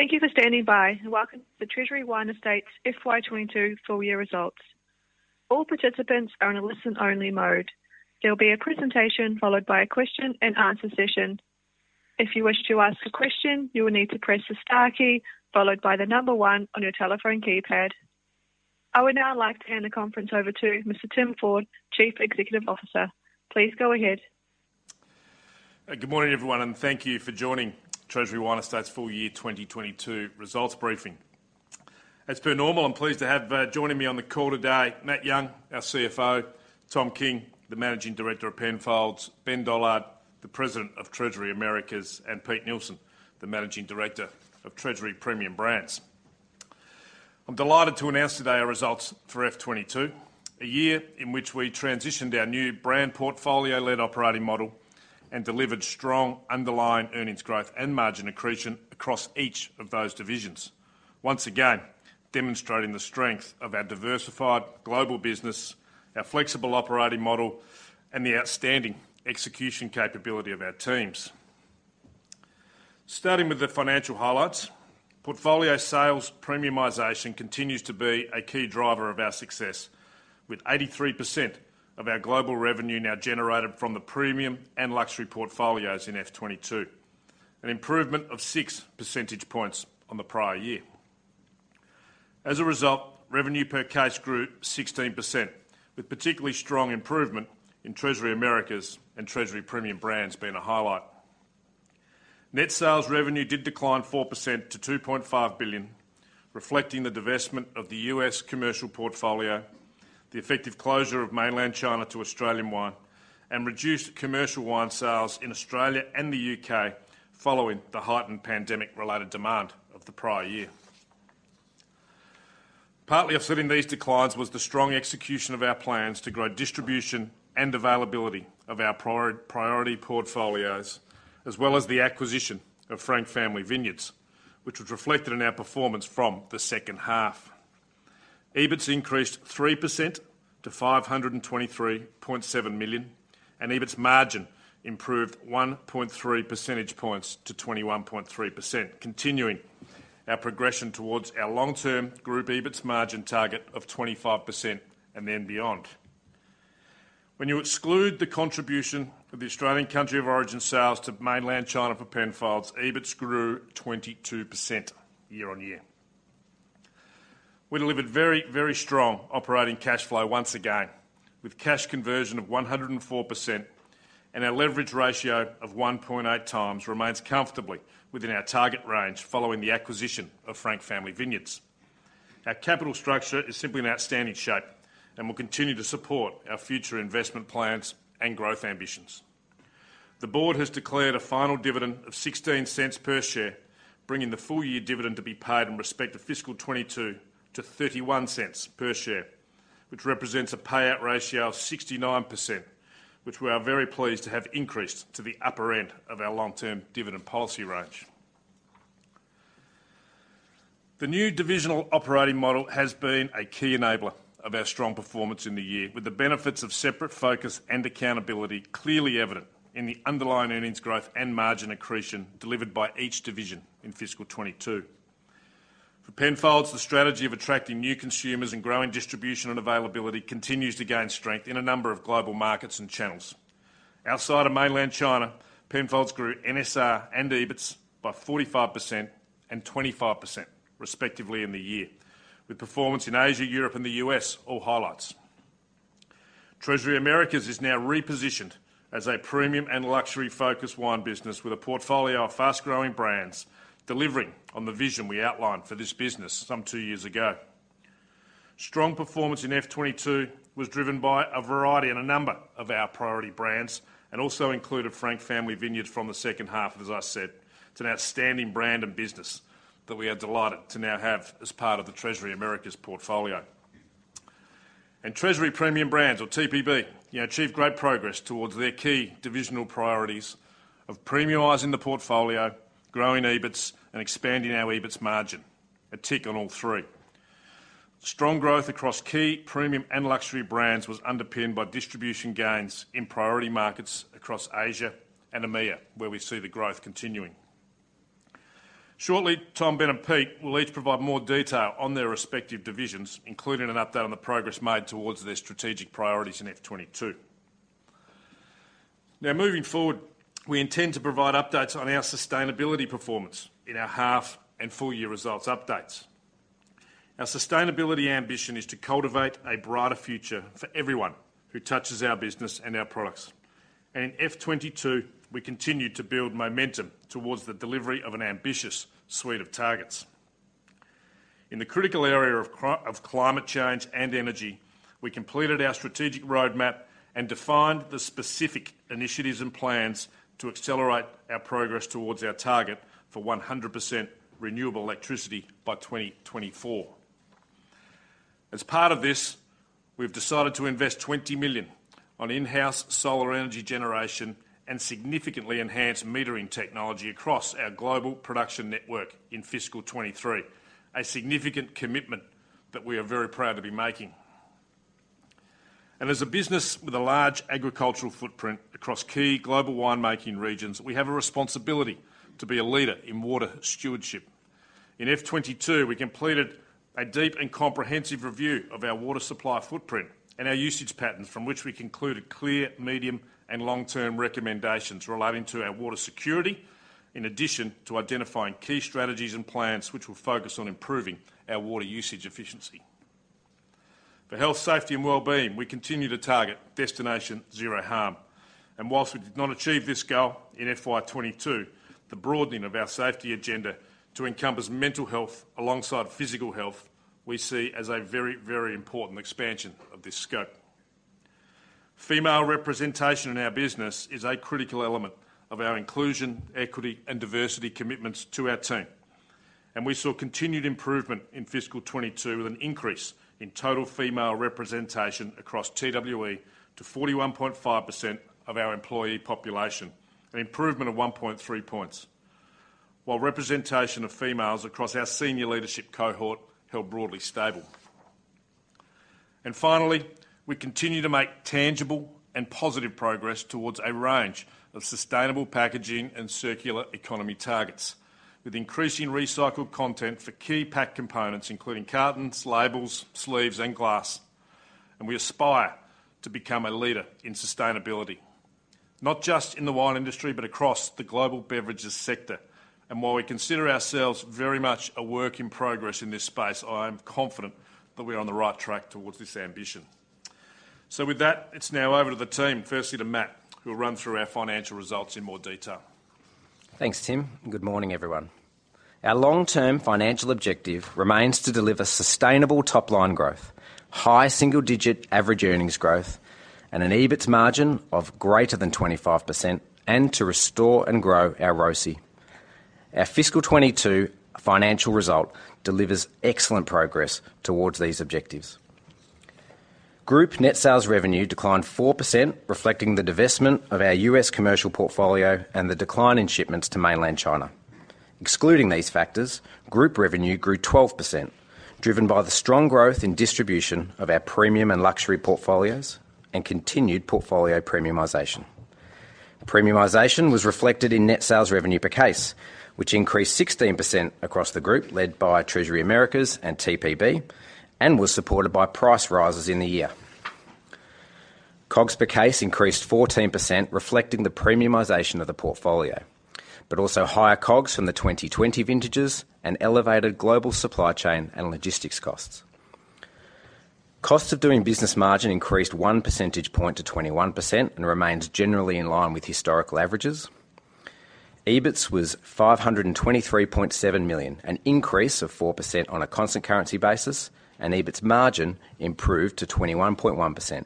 Thank you for standing by, and welcome to the Treasury Wine Estates FY22 full-year results. All participants are on a listen only mode. There will be a presentation followed by a question and answer session. If you wish to ask a question, you will need to press the star key followed by the number one on your telephone keypad. I would now like to hand the conference over to Mr. Tim Ford, Chief Executive Officer. Please go ahead. Good morning, everyone, and thank you for joining Treasury Wine Estates full-year 2022 results briefing. As per normal, I'm pleased to have joining me on the call today, Matt Young, our CFO, Tom King, the Managing Director of Penfolds, Ben Dollard, the President of Treasury Americas, and Peter Neilson, the Managing Director of Treasury Premium Brands. I'm delighted to announce today our results for FY22, a year in which we transitioned our new brand portfolio-led operating model and delivered strong underlying earnings growth and margin accretion across each of those divisions. Once again, demonstrating the strength of our diversified global business, our flexible operating model, and the outstanding execution capability of our teams. Starting with the financial highlights, portfolio sales premiumization continues to be a key driver of our success, with 83% of our global revenue now generated from the premium and luxury portfolios in FY22, an improvement of six percentage points on the prior year. As a result, revenue per case grew 16%, with particularly strong improvement in Treasury Americas and Treasury Premium Brands being a highlight. Net sales revenue did decline 4% to 2.5 billion, reflecting the divestment of the U.S. commercial portfolio, the effective closure of Mainland China to Australian wine, and reduced commercial wine sales in Australia and the U.K. following the heightened pandemic-related demand of the prior year. Partly offsetting these declines was the strong execution of our plans to grow distribution and availability of our prior-priority portfolios, as well as the acquisition of Frank Family Vineyards, which was reflected in our performance from the second half. EBITS increased 3% to 523.7 million, and EBITS margin improved 1.3 percentage points to 21.3%, continuing our progression towards our long-term group EBITS margin target of 25% and then beyond. When you exclude the contribution of the Australian country of origin sales to Mainland China for Penfolds, EBITS grew 22% year-on-year. We delivered very, very strong operating cash flow once again, with cash conversion of 104%, and our leverage ratio of 1.8x remains comfortably within our target range following the acquisition of Frank Family Vineyards. Our capital structure is simply in outstanding shape and will continue to support our future investment plans and growth ambitions. The board has declared a final dividend of 0.16 per share, bringing the full-year dividend to be paid in respect to fiscal 2022 to 0.31 per share, which represents a payout ratio of 69%, which we are very pleased to have increased to the upper end of our long-term dividend policy range. The new divisional operating model has been a key enabler of our strong performance in the year, with the benefits of separate focus and accountability clearly evident in the underlying earnings growth and margin accretion delivered by each division in fiscal 2022. For Penfolds, the strategy of attracting new consumers and growing distribution and availability continues to gain strength in a number of global markets and channels. Outside of Mainland China, Penfolds grew NSR and EBITS by 45% and 25%, respectively, in the year, with performance in Asia, Europe, and the US all highlights. Treasury Americas is now repositioned as a premium and luxury focus wine business with a portfolio of fast-growing brands delivering on the vision we outlined for this business some two years ago. Strong performance in FY22 was driven by a variety and a number of our priority brands, and also included Frank Family Vineyards from the second half, as I said, it's an outstanding brand and business that we are delighted to now have as part of the Treasury Americas portfolio. Treasury Premium Brands or TPB, you know, achieved great progress towards their key divisional priorities of premiumizing the portfolio, growing EBITS, and expanding our EBITS margin. A tick on all three. Strong growth across key premium and luxury brands was underpinned by distribution gains in priority markets across Asia and EMEA, where we see the growth continuing. Shortly, Tom, Ben, and Pete will each provide more detail on their respective divisions, including an update on the progress made towards their strategic priorities in FY22. Now moving forward, we intend to provide updates on our sustainability performance in our half and full-year results updates. Our sustainability ambition is to cultivate a brighter future for everyone who touches our business and our products. In FY22, we continued to build momentum towards the delivery of an ambitious suite of targets. In the critical area of climate change and energy, we completed our strategic roadmap and defined the specific initiatives and plans to accelerate our progress towards our target for 100% renewable electricity by 2024. As part of this, we've decided to invest 20 million on in-house solar energy generation and significantly enhance metering technology across our global production network in fiscal 2023, a significant commitment that we are very proud to be making. As a business with a large agricultural footprint across key global wine making regions, we have a responsibility to be a leader in water stewardship. In FY22, we completed a deep and comprehensive review of our water supply footprint and our usage patterns from which we concluded clear, medium, and long-term recommendations relating to our water security, in addition to identifying key strategies and plans which will focus on improving our water usage efficiency. For health, safety, and well-being, we continue to target destination zero harm. While we did not achieve this goal in FY22, the broadening of our safety agenda to encompass mental health alongside physical health, we see as a very, very important expansion of this scope. Female representation in our business is a critical element of our inclusion, equity, and diversity commitments to our team. We saw continued improvement in fiscal 2022 with an increase in total female representation across TWE to 41.5% of our employee population, an improvement of 1.3 points. While representation of females across our senior leadership cohort held broadly stable. We continue to make tangible and positive progress towards a range of sustainable packaging and circular economy targets, with increasing recycled content for key pack components, including cartons, labels, sleeves, and glass. We aspire to become a leader in sustainability, not just in the wine industry, but across the global beverages sector. While we consider ourselves very much a work in progress in this space, I am confident that we're on the right track towards this ambition. With that, it's now over to the team. Firstly, to Matt, who will run through our financial results in more detail. Thanks, Tim. Good morning, everyone. Our long-term financial objective remains to deliver sustainable top-line growth, high single-digit average earnings growth, and an EBITS margin of greater than 25%, and to restore and grow our ROCE. Our fiscal 2022 financial result delivers excellent progress towards these objectives. Group net sales revenue declined 4%, reflecting the divestment of our U.S. commercial portfolio and the decline in shipments to Mainland China. Excluding these factors, group revenue grew 12%, driven by the strong growth in distribution of our premium and luxury portfolios and continued portfolio premiumization. Premiumization was reflected in net sales revenue per case, which increased 16% across the group, led by Treasury Americas and TPB, and was supported by price rises in the year. COGS per case increased 14%, reflecting the premiumization of the portfolio, but also higher COGS from the 2020 vintages and elevated global supply chain and logistics costs. Cost of doing business margin increased 1 percentage point to 21% and remains generally in line with historical averages. EBITS was 523.7 million, an increase of 4% on a constant currency basis, and EBITS margin improved to 21.1%,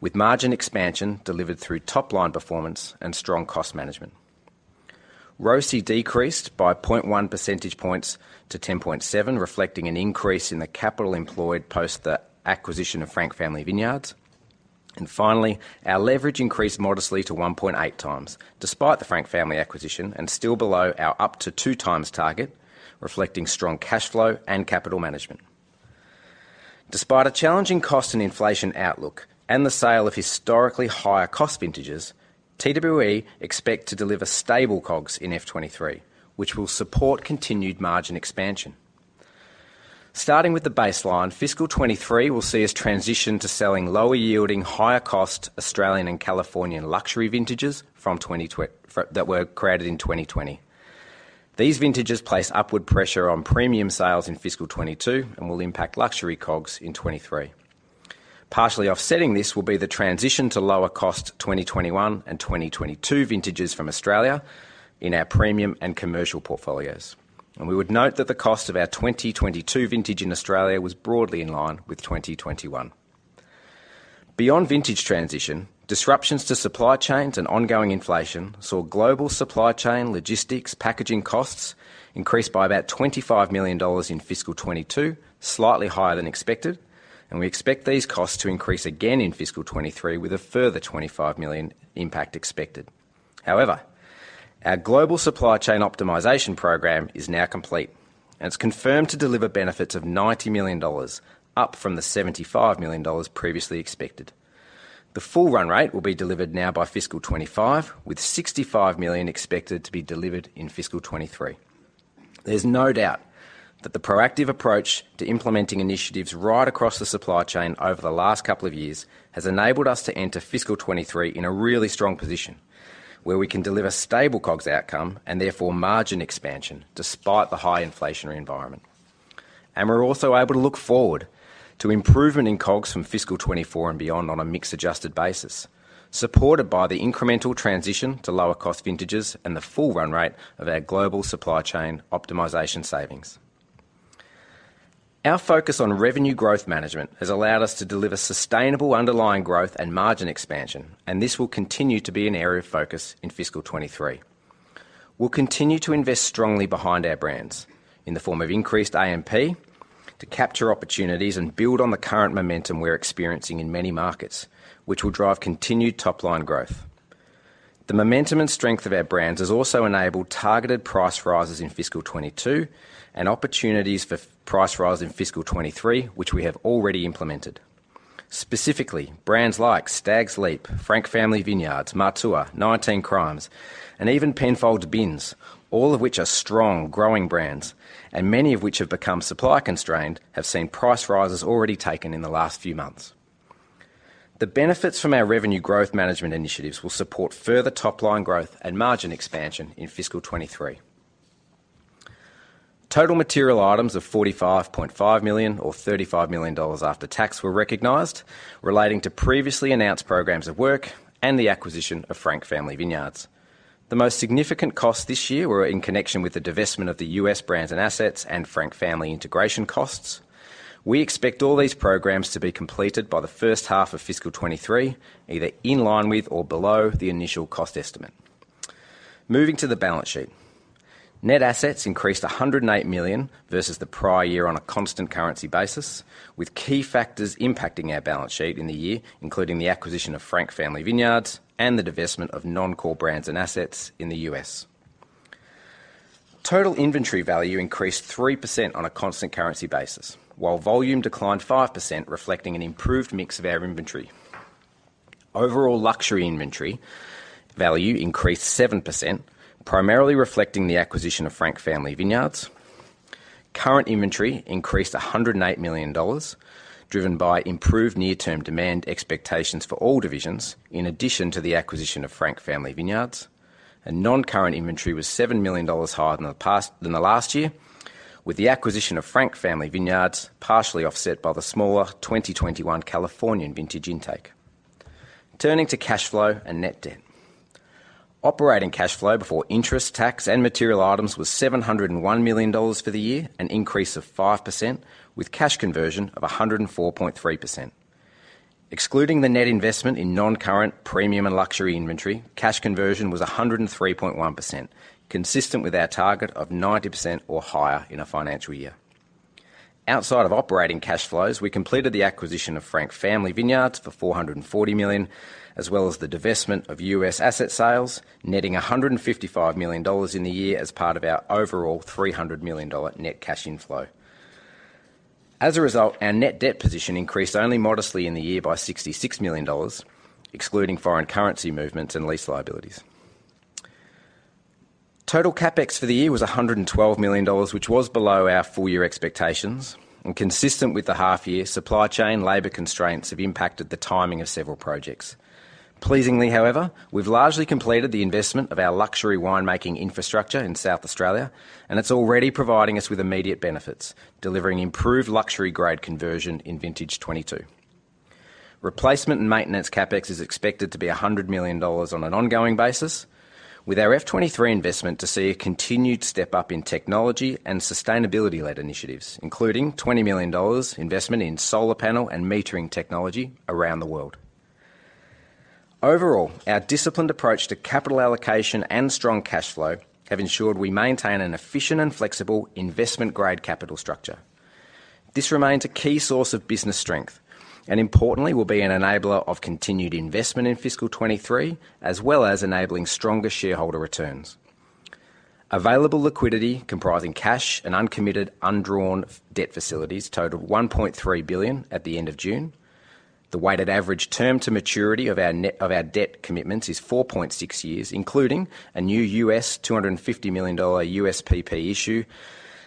with margin expansion delivered through top line performance and strong cost management. ROCE decreased by 0.1 percentage points to 10.7, reflecting an increase in the capital employed post the acquisition of Frank Family Vineyards. Finally, our leverage increased modestly to 1.8x, despite the Frank Family acquisition and still below our up to 2x target, reflecting strong cash flow and capital management. Despite a challenging cost and inflation outlook and the sale of historically higher cost vintages, TWE expect to deliver stable COGS in FY23, which will support continued margin expansion. Starting with the baseline, fiscal 2023 will see us transition to selling lower yielding, higher cost Australian and Californian luxury vintages from 2020 that were created in 2020. These vintages place upward pressure on premium sales in fiscal 2022 and will impact luxury COGS in 2023. Partially offsetting this will be the transition to lower cost 2021 and 2022 vintages from Australia in our premium and commercial portfolios. We would note that the cost of our 2022 vintage in Australia was broadly in line with 2021. Beyond vintage transition, disruptions to supply chains and ongoing inflation saw global supply chain logistics, packaging costs increase by about 25 million dollars in fiscal 2022, slightly higher than expected, and we expect these costs to increase again in fiscal 2023 with a further 25 million impact expected. However, our global supply chain optimization program is now complete, and it's confirmed to deliver benefits of AUD 90 million, up from the AUD 75 million previously expected. The full run rate will be delivered now by fiscal 2025, with AUD 65 million expected to be delivered in fiscal 2023. There's no doubt that the proactive approach to implementing initiatives right across the supply chain over the last couple of years has enabled us to enter fiscal 2023 in a really strong position where we can deliver stable COGS outcome, and therefore margin expansion, despite the high inflationary environment. We're also able to look forward to improvement in COGS from fiscal 2024 and beyond on a mix-adjusted basis, supported by the incremental transition to lower cost vintages and the full run rate of our global supply chain optimization savings. Our focus on revenue growth management has allowed us to deliver sustainable underlying growth and margin expansion, and this will continue to be an area of focus in fiscal 2023. We'll continue to invest strongly behind our brands in the form of increased AMP to capture opportunities and build on the current momentum we're experiencing in many markets, which will drive continued top-line growth. The momentum and strength of our brands has also enabled targeted price rises in fiscal 2022, and opportunities for price rise in fiscal 2023, which we have already implemented. Specifically, brands like Stags' Leap, Frank Family Vineyards, Matua, 19 Crimes, and even Penfolds bins, all of which are strong, growing brands, and many of which have become supply constrained, have seen price rises already taken in the last few months. The benefits from our revenue growth management initiatives will support further top line growth and margin expansion in fiscal 2023. Total material items of 45.5 million or 35 million dollars after tax were recognized, relating to previously announced programs of work and the acquisition of Frank Family Vineyards. The most significant costs this year were in connection with the divestment of the U.S. brands and assets and Frank Family integration costs. We expect all these programs to be completed by the first half of fiscal 2023, either in line with or below the initial cost estimate. Moving to the balance sheet. Net assets increased 108 million versus the prior year on a constant currency basis, with key factors impacting our balance sheet in the year, including the acquisition of Frank Family Vineyards and the divestment of non-core brands and assets in the U.S. Total inventory value increased 3% on a constant currency basis, while volume declined 5%, reflecting an improved mix of our inventory. Overall luxury inventory value increased 7%, primarily reflecting the acquisition of Frank Family Vineyards. Current inventory increased $108 million, driven by improved near-term demand expectations for all divisions, in addition to the acquisition of Frank Family Vineyards. Non-current inventory was $7 million higher than the last year, with the acquisition of Frank Family Vineyards, partially offset by the smaller 2021 Californian vintage intake. Turning to cash flow and net debt. Operating cash flow before interest, tax, and material items was 701 million dollars for the year, an increase of 5%, with cash conversion of 104.3%. Excluding the net investment in non-current premium and luxury inventory, cash conversion was 103.1%, consistent with our target of 90% or higher in a financial year. Outside of operating cash flows, we completed the acquisition of Frank Family Vineyards for 440 million, as well as the divestment of US asset sales, netting 155 million dollars in the year as part of our overall 300 million dollar net cash inflow. As a result, our net debt position increased only modestly in the year by 66 million dollars, excluding foreign currency movements and lease liabilities. Total CapEx for the year was 112 million dollars, which was below our full-year expectations. Consistent with the half-year, supply chain labor constraints have impacted the timing of several projects. Pleasingly, however, we've largely completed the investment of our luxury wine making infrastructure in South Australia, and it's already providing us with immediate benefits, delivering improved luxury grade conversion in vintage 2022. Replacement and maintenance CapEx is expected to be 100 million dollars on an ongoing basis, with our FY23 investment to see a continued step up in technology and sustainability-led initiatives, including 20 million dollars investment in solar panel and metering technology around the world. Overall, our disciplined approach to capital allocation and strong cash flow have ensured we maintain an efficient and flexible investment-grade capital structure. This remains a key source of business strength, and importantly, will be an enabler of continued investment in fiscal 2023, as well as enabling stronger shareholder returns. Available liquidity, comprising cash and uncommitted undrawn debt facilities, totaled 1.3 billion at the end of June. The weighted average term to maturity of our debt commitments is four point six years, including a new $250 million USPP issue,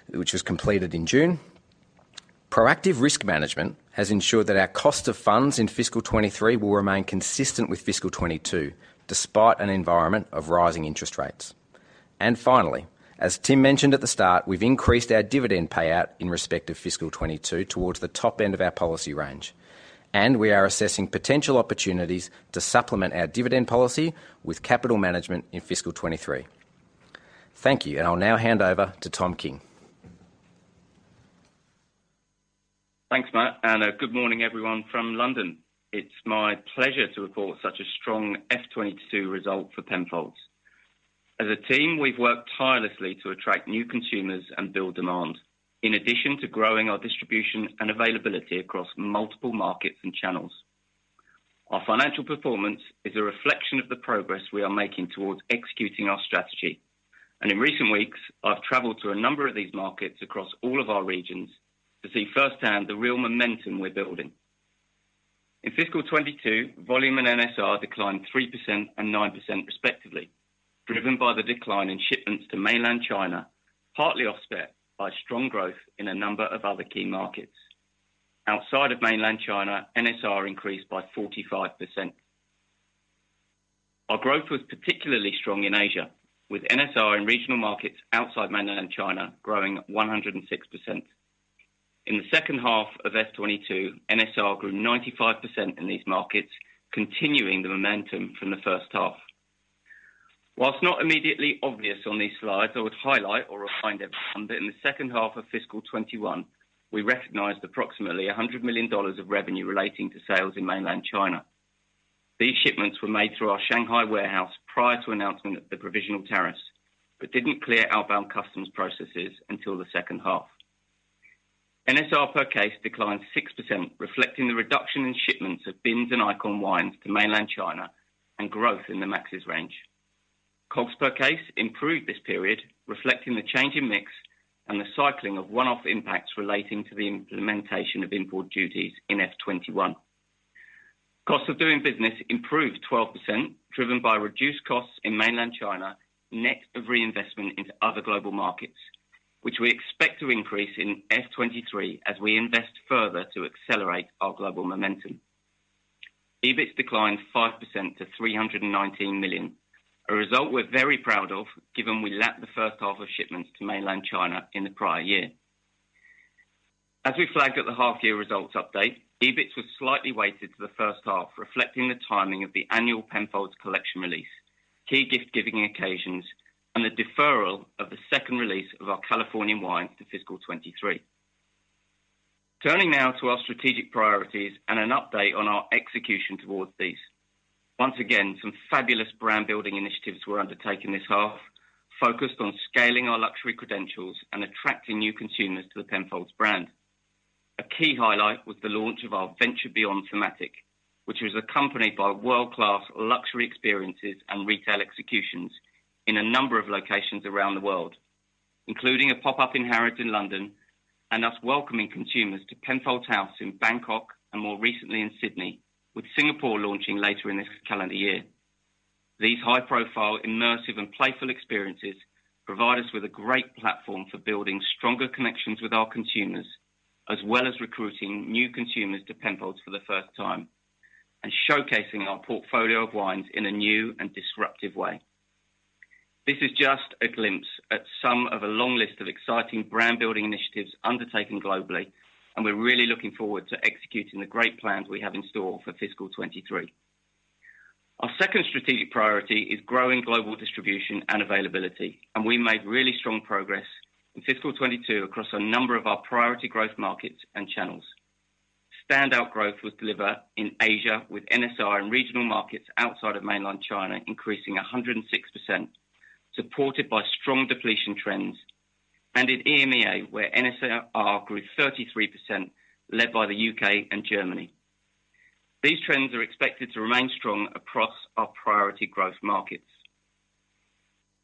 which was completed in June. Proactive risk management has ensured that our cost of funds in fiscal 2023 will remain consistent with fiscal 2022, despite an environment of rising interest rates. Finally, as Tim mentioned at the start, we've increased our dividend payout in respect of fiscal 2022 towards the top end of our policy range. We are assessing potential opportunities to supplement our dividend policy with capital management in fiscal 2023. Thank you, and I'll now hand over to Tom King. Thanks, Matt, and good morning everyone from London. It's my pleasure to report such a strong fiscal 2022 result for Penfolds. As a team, we've worked tirelessly to attract new consumers and build demand, in addition to growing our distribution and availability across multiple markets and channels. Our financial performance is a reflection of the progress we are making towards executing our strategy. In recent weeks, I've traveled to a number of these markets across all of our regions to see firsthand the real momentum we're building. In fiscal 2022, volume and NSR declined 3% and 9% respectively, driven by the decline in shipments to Mainland China, partly offset by strong growth in a number of other key markets. Outside of Mainland China, NSR increased by 45%. Our growth was particularly strong in Asia, with NSR in regional markets outside Mainland China growing 106%. In the second half of FY22, NSR grew 95% in these markets, continuing the momentum from the first half. While not immediately obvious on these slides, I would highlight or remind everyone that in the second half of fiscal 2021, we recognized approximately 100 million dollars of revenue relating to sales in Mainland China. These shipments were made through our Shanghai warehouse prior to announcement of the provisional tariffs, but didn't clear outbound customs processes until the second half. NSR per case declined 6%, reflecting the reduction in shipments of bins and icon wines to Mainland China and growth in the Max's range. Cost per case improved this period, reflecting the change in mix and the cycling of one-off impacts relating to the implementation of import duties in FY21. Cost of doing business improved 12%, driven by reduced costs in mainland China, net of reinvestment into other global markets, which we expect to increase in FY23 as we invest further to accelerate our global momentum. EBIT declined 5% to 319 million, a result we're very proud of given we lapped the first half of shipments to mainland China in the prior year. As we flagged at the half-year results update, EBIT was slightly weighted to the first half, reflecting the timing of the annual Penfolds Collection release, key gift-giving occasions, and the deferral of the second release of our California wine to fiscal 2023. Turning now to our strategic priorities and an update on our execution towards these. Once again, some fabulous brand-building initiatives were undertaken this half, focused on scaling our luxury credentials and attracting new consumers to the Penfolds brand. A key highlight was the launch of our Venture Beyond thematic, which was accompanied by world-class luxury experiences and retail executions in a number of locations around the world, including a pop-up in Harrods in London, and us welcoming consumers to Penfolds House in Bangkok, and more recently in Sydney, with Singapore launching later in this calendar year. These high-profile, immersive, and playful experiences provide us with a great platform for building stronger connections with our consumers, as well as recruiting new consumers to Penfolds for the first time, and showcasing our portfolio of wines in a new and disruptive way. This is just a glimpse at some of a long list of exciting brand-building initiatives undertaken globally, and we're really looking forward to executing the great plans we have in store for fiscal 2023. Our second strategic priority is growing global distribution and availability, and we made really strong progress in fiscal 2022 across a number of our priority growth markets and channels. Standout growth was delivered in Asia, with NSR in regional markets outside of mainland China increasing 106%, supported by strong depletion trends, and in EMEA, where NSR grew 33%, led by the UK and Germany. These trends are expected to remain strong across our priority growth markets.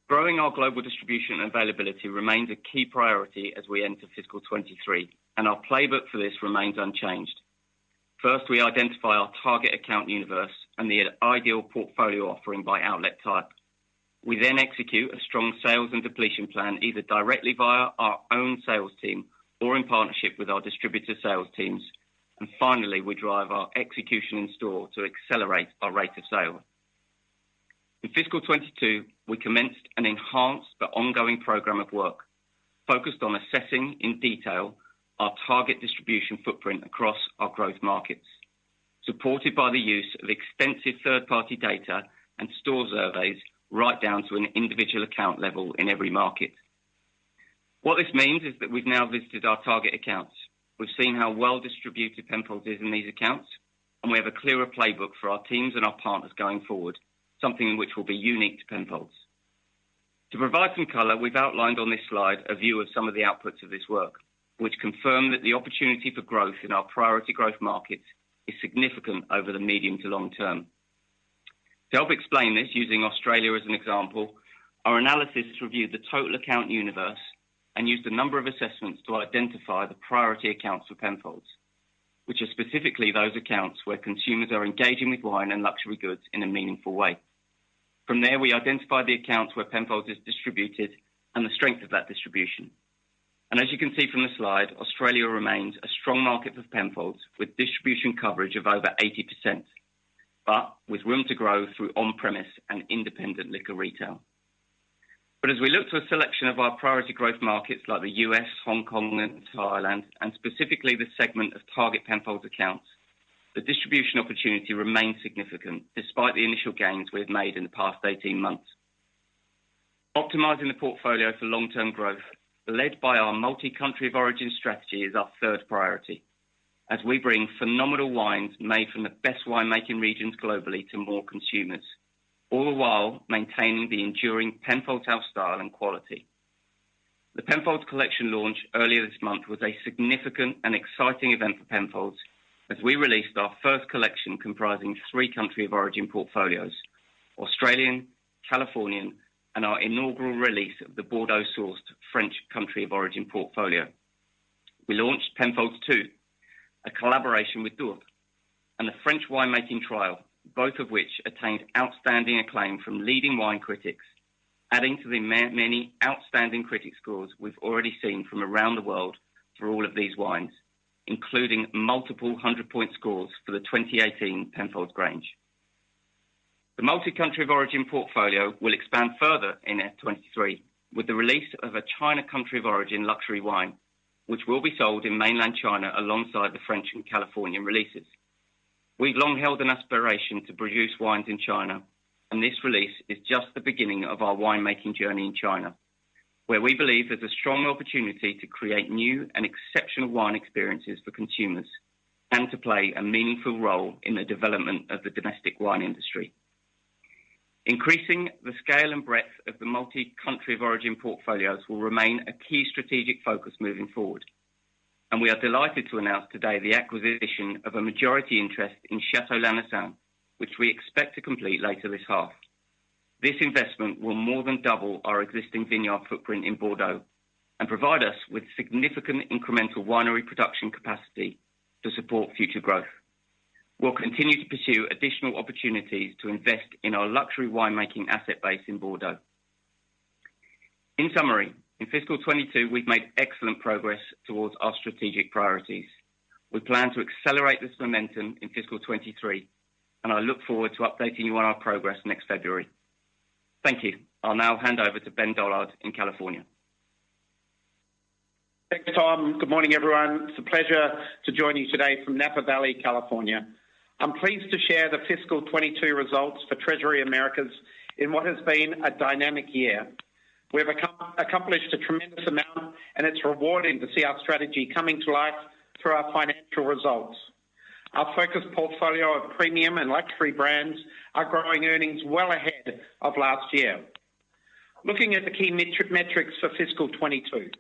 Growing our global distribution availability remains a key priority as we enter fiscal 2023, and our playbook for this remains unchanged. First, we identify our target account universe and the ideal portfolio offering by outlet type. We then execute a strong sales and depletion plan, either directly via our own sales team or in partnership with our distributor sales teams. Finally, we drive our execution in store to accelerate our rate of sale. In fiscal 2022, we commenced and enhanced the ongoing program of work focused on assessing, in detail, our target distribution footprint across our growth markets, supported by the use of extensive third-party data and store surveys right down to an individual account level in every market. What this means is that we've now visited our target accounts. We've seen how well-distributed Penfolds is in these accounts, and we have a clearer playbook for our teams and our partners going forward, something which will be unique to Penfolds. To provide some color, we've outlined on this slide a view of some of the outputs of this work, which confirm that the opportunity for growth in our priority growth markets is significant over the medium to long term. To help explain this, using Australia as an example, our analysts reviewed the total account universe and used a number of assessments to identify the priority accounts for Penfolds, which are specifically those accounts where consumers are engaging with wine and luxury goods in a meaningful way. From there, we identified the accounts where Penfolds is distributed and the strength of that distribution. As you can see from the slide, Australia remains a strong market for Penfolds, with distribution coverage of over 80%, but with room to grow through on-premise and independent liquor retail. As we look to a selection of our priority growth markets like the U.S., Hong Kong, and Thailand, and specifically the segment of target Penfolds accounts, the distribution opportunity remains significant despite the initial gains we have made in the past 18 months. Optimizing the portfolio for long-term growth, led by our multi-country of origin strategy, is our third priority as we bring phenomenal wines made from the best wine making regions globally to more consumers, all the while maintaining the enduring Penfolds house style and quality. The Penfolds Collection launch earlier this month was a significant and exciting event for Penfolds as we released our first collection comprising three country of origin portfolios, Australian, Californian, and our inaugural release of the Bordeaux-sourced French country of origin portfolio. We launched Penfolds II, a collaboration with Dourthe, and a French winemaking trial, both of which attained outstanding acclaim from leading wine critics, adding to the many outstanding critic scores we've already seen from around the world for all of these wines, including multiple 100-point scores for the 2018 Penfolds Grange. The multi-country of origin portfolio will expand further in FY23 with the release of a China country of origin luxury wine, which will be sold in mainland China alongside the French and Californian releases. We've long held an aspiration to produce wines in China, and this release is just the beginning of our winemaking journey in China, where we believe there's a strong opportunity to create new and exceptional wine experiences for consumers and to play a meaningful role in the development of the domestic wine industry. Increasing the scale and breadth of the multi-country of origin portfolios will remain a key strategic focus moving forward. We are delighted to announce today the acquisition of a majority interest in Château Lanessan, which we expect to complete later this half. This investment will more than double our existing vineyard footprint in Bordeaux and provide us with significant incremental winery production capacity to support future growth. We'll continue to pursue additional opportunities to invest in our luxury winemaking asset base in Bordeaux. In summary, in fiscal 2022, we've made excellent progress towards our strategic priorities. We plan to accelerate this momentum in fiscal 2023, and I look forward to updating you on our progress next February. Thank you. I'll now hand over to Ben Dollard in California. Thanks, Tom. Good morning, everyone. It's a pleasure to join you today from Napa Valley, California. I'm pleased to share the fiscal 2022 results for Treasury Americas in what has been a dynamic year. We have accomplished a tremendous amount, and it's rewarding to see our strategy coming to life through our financial results. Our focus portfolio of premium and luxury brands are growing earnings well ahead of last year. Looking at the key metrics for fiscal 2022.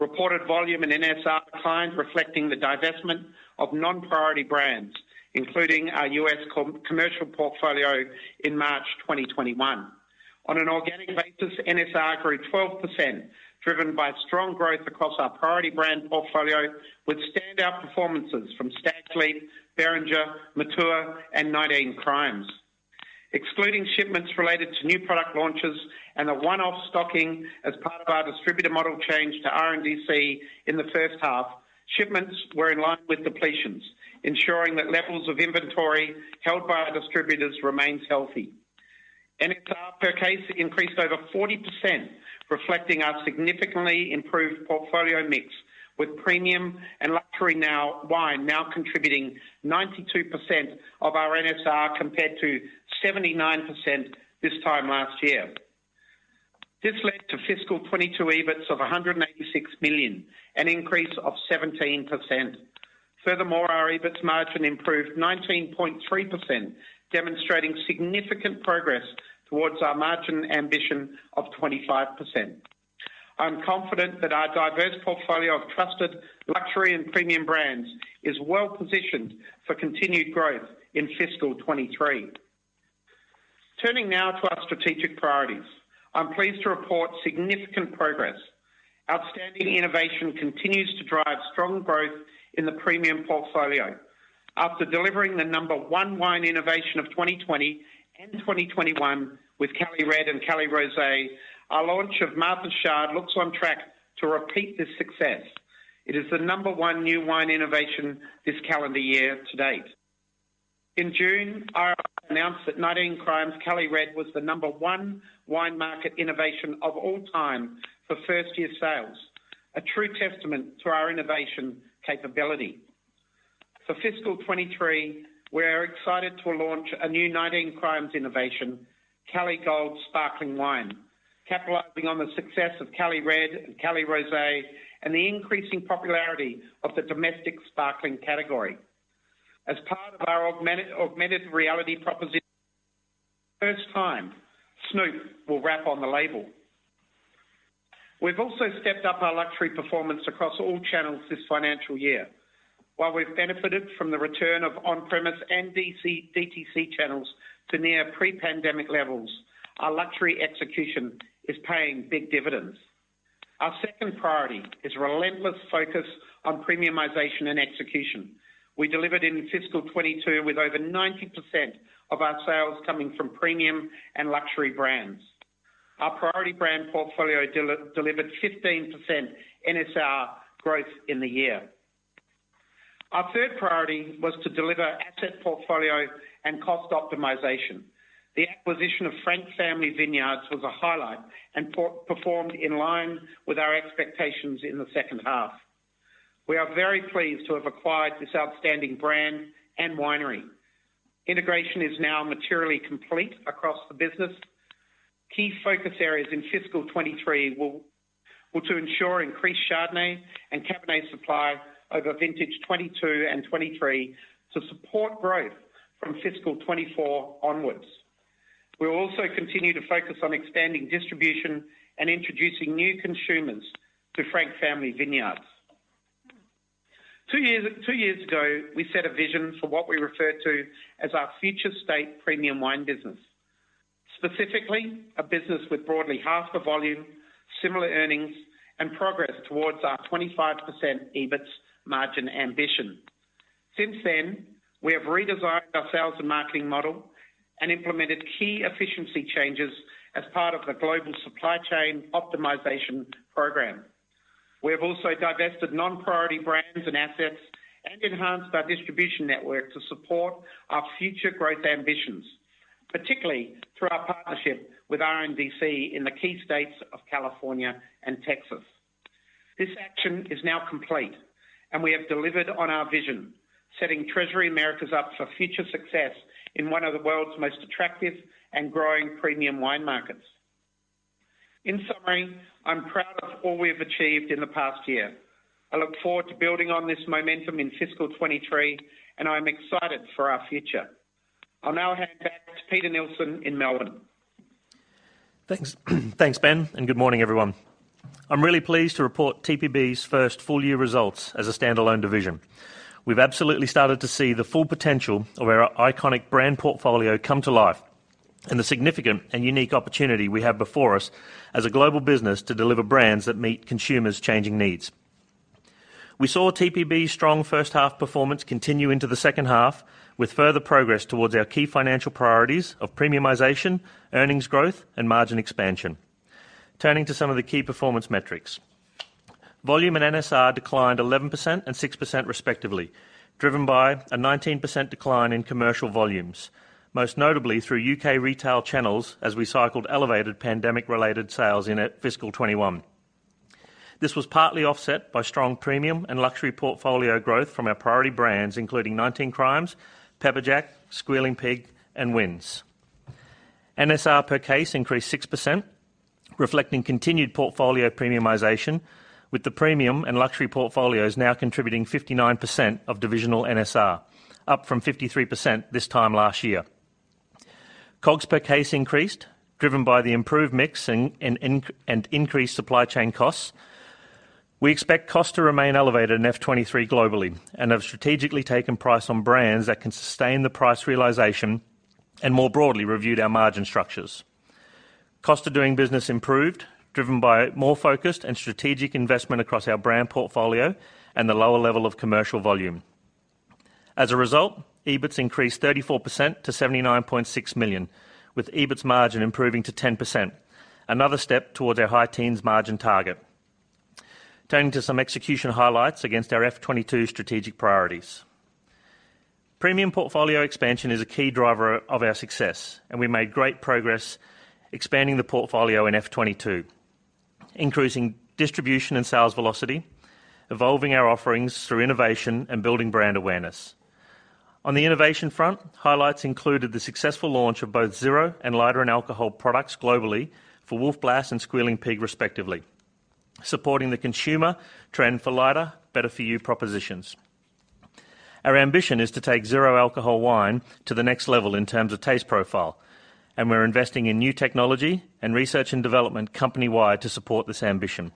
Reported volume and NSR declined, reflecting the divestment of non-priority brands, including our US commercial portfolio in March 2021. On an organic basis, NSR grew 12%, driven by strong growth across our priority brand portfolio, with standout performances from Stags' Leap, Beringer, Matua, and 19 Crimes. Excluding shipments related to new product launches and a one-off stocking as part of our distributor model change to RNDC in the first half, shipments were in line with depletions, ensuring that levels of inventory held by our distributors remains healthy. NSR per case increased over 40%, reflecting our significantly improved portfolio mix, with premium and luxury wine now contributing 92% of our NSR compared to 79% this time last year. This led to fiscal 2022 EBITS of 186 million, an increase of 17%. Furthermore, our EBITS margin improved 19.3%, demonstrating significant progress towards our margin ambition of 25%. I'm confident that our diverse portfolio of trusted luxury and premium brands is well-positioned for continued growth in fiscal 2023. Turning now to our strategic priorities. I'm pleased to report significant progress. Outstanding innovation continues to drive strong growth in the premium portfolio. After delivering the number one wine innovation of 2020 and 2021 with Cali Red and Cali Rosé, our launch of Martha's Chard looks on track to repeat this success. It is the number one new wine innovation this calendar year to date. In June, I announced that 19 Crimes Cali Red was the number one wine market innovation of all time for first-year sales, a true testament to our innovation capability. For fiscal 2023, we're excited to launch a new 19 Crimes innovation, Cali Gold Sparkling Wine, capitalizing on the success of Cali Red and Cali Rose and the increasing popularity of the domestic sparkling category. As part of our augmented reality proposition, first time, Snoop will rap on the label. We've also stepped up our luxury performance across all channels this financial year. While we've benefited from the return of on-premise and DTC channels to near pre-pandemic levels, our luxury execution is paying big dividends. Our second priority is relentless focus on premiumization and execution. We delivered in fiscal 2022 with over 90% of our sales coming from premium and luxury brands. Our priority brand portfolio delivered 15% NSR growth in the year. Our third priority was to deliver asset portfolio and cost optimization. The acquisition of Frank Family Vineyards was a highlight and performed in line with our expectations in the second half. We are very pleased to have acquired this outstanding brand and winery. Integration is now materially complete across the business. Key focus areas in fiscal 2023 will to ensure increased Chardonnay and Cabernet supply over vintage 2022 and 2023 to support growth from fiscal 2024 onwards. We'll also continue to focus on expanding distribution and introducing new consumers to Frank Family Vineyards. Two years ago, we set a vision for what we refer to as our future state premium wine business, specifically a business with broadly half the volume, similar earnings, and progress towards our 25% EBITS margin ambition. Since then, we have redesigned our sales and marketing model and implemented key efficiency changes as part of the global supply chain optimization program. We have also divested non-priority brands and assets and enhanced our distribution network to support our future growth ambitions, particularly through our partnership with RNDC in the key states of California and Texas. This action is now complete, and we have delivered on our vision, setting Treasury Americas up for future success in one of the world's most attractive and growing premium wine markets. In summary, I'm proud of all we have achieved in the past year. I look forward to building on this momentum in fiscal 2023, and I'm excited for our future. I'll now hand back to Peter Neilson in Melbourne. Thanks. Thanks, Ben, and good morning everyone. I'm really pleased to report TPB's first full-year results as a standalone division. We've absolutely started to see the full potential of our iconic brand portfolio come to life, and the significant and unique opportunity we have before us as a global business to deliver brands that meet consumers' changing needs. We saw TPB's strong first half performance continue into the second half, with further progress towards our key financial priorities of premiumization, earnings growth, and margin expansion. Turning to some of the key performance metrics. Volume and NSR declined 11% and 6% respectively, driven by a 19% decline in commercial volumes. Most notably through UK retail channels as we cycled elevated pandemic-related sales in at fiscal 2021. This was partly offset by strong premium and luxury portfolio growth from our priority brands, including 19 Crimes, Pepperjack, Squealing Pig, and Wynns. NSR per case increased 6%, reflecting continued portfolio premiumization, with the premium and luxury portfolios now contributing 59% of divisional NSR, up from 53% this time last year. COGS per case increased, driven by the improved mix and increased supply chain costs. We expect cost to remain elevated in FY23 globally, and have strategically taken price on brands that can sustain the price realization and more broadly reviewed our margin structures. Cost of doing business improved, driven by more focused and strategic investment across our brand portfolio and the lower level of commercial volume. As a result, EBITs increased 34% to 79.6 million, with EBITs margin improving to 10%, another step towards our high teens % margin target. Turning to some execution highlights against our FY22 strategic priorities. Premium portfolio expansion is a key driver of our success, and we made great progress expanding the portfolio in FY22, increasing distribution and sales velocity, evolving our offerings through innovation and building brand awareness. On the innovation front, highlights included the successful launch of both zero and lighter in alcohol products globally for Wolf Blass and Squealing Pig respectively, supporting the consumer trend for lighter, better for you propositions. Our ambition is to take zero alcohol wine to the next level in terms of taste profile, and we're investing in new technology and research and development company-wide to support this ambition.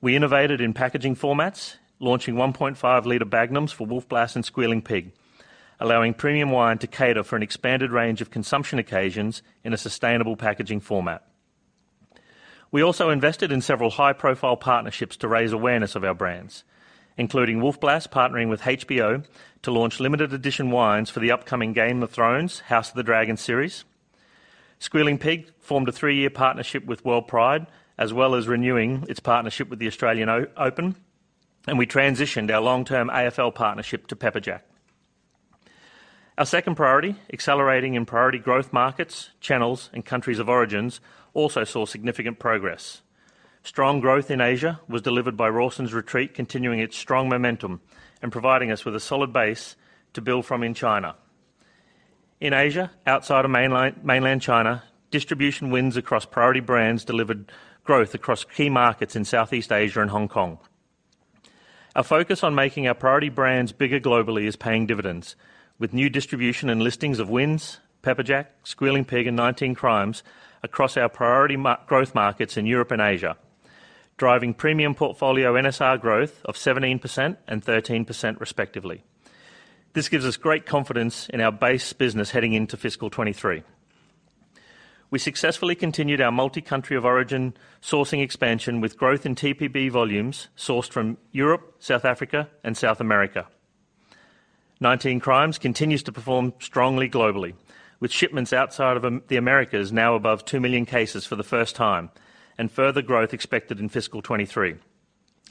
We innovated in packaging formats, launching 1.5-liter Bagnums for Wolf Blass and Squealing Pig, allowing premium wine to cater for an expanded range of consumption occasions in a sustainable packaging format. We also invested in several high-profile partnerships to raise awareness of our brands, including Wolf Blass partnering with HBO to launch limited edition wines for the upcoming Game of Thrones: House of the Dragon series. Squealing Pig formed a three-year partnership with WorldPride, as well as renewing its partnership with the Australian Open. We transitioned our long-term AFL partnership to Pepperjack. Our second priority, accelerating in priority growth markets, channels, and countries of origin, also saw significant progress. Strong growth in Asia was delivered by Rawson's Retreat, continuing its strong momentum and providing us with a solid base to build from in China. In Asia, outside of mainland China, distribution wins across priority brands delivered growth across key markets in Southeast Asia and Hong Kong. Our focus on making our priority brands bigger globally is paying dividends, with new distribution and listings of Wynns, Pepperjack, Squealing Pig, and 19 Crimes across our priority growth markets in Europe and Asia, driving premium portfolio NSR growth of 17% and 13% respectively. This gives us great confidence in our base business heading into fiscal 2023. We successfully continued our multi-country of origin sourcing expansion with growth in TPB volumes sourced from Europe, South Africa, and South America. 19 Crimes continues to perform strongly globally, with shipments outside of the Americas now above 2 million cases for the first time, and further growth expected in fiscal 2023,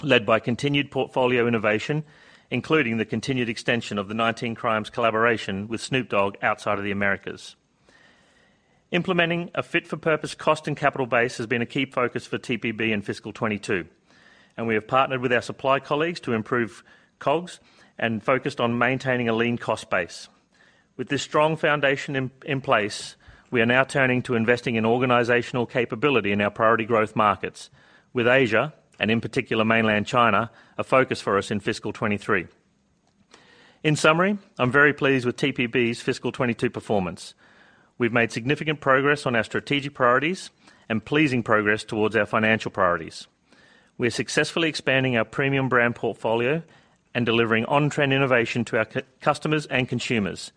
led by continued portfolio innovation, including the continued extension of the 19 Crimes collaboration with Snoop Dogg outside of the Americas. Implementing a fit-for-purpose cost and capital base has been a key focus for TPB in fiscal 2022, and we have partnered with our supply colleagues to improve COGS and focused on maintaining a lean cost base. With this strong foundation in place, we are now turning to investing in organizational capability in our priority growth markets, with Asia, and in particular mainland China, a focus for us in fiscal 2023. In summary, I'm very pleased with TPB's fiscal 2022 performance. We've made significant progress on our strategic priorities and pleasing progress towards our financial priorities. We are successfully expanding our premium brand portfolio and delivering on-trend innovation to our customers and consumers.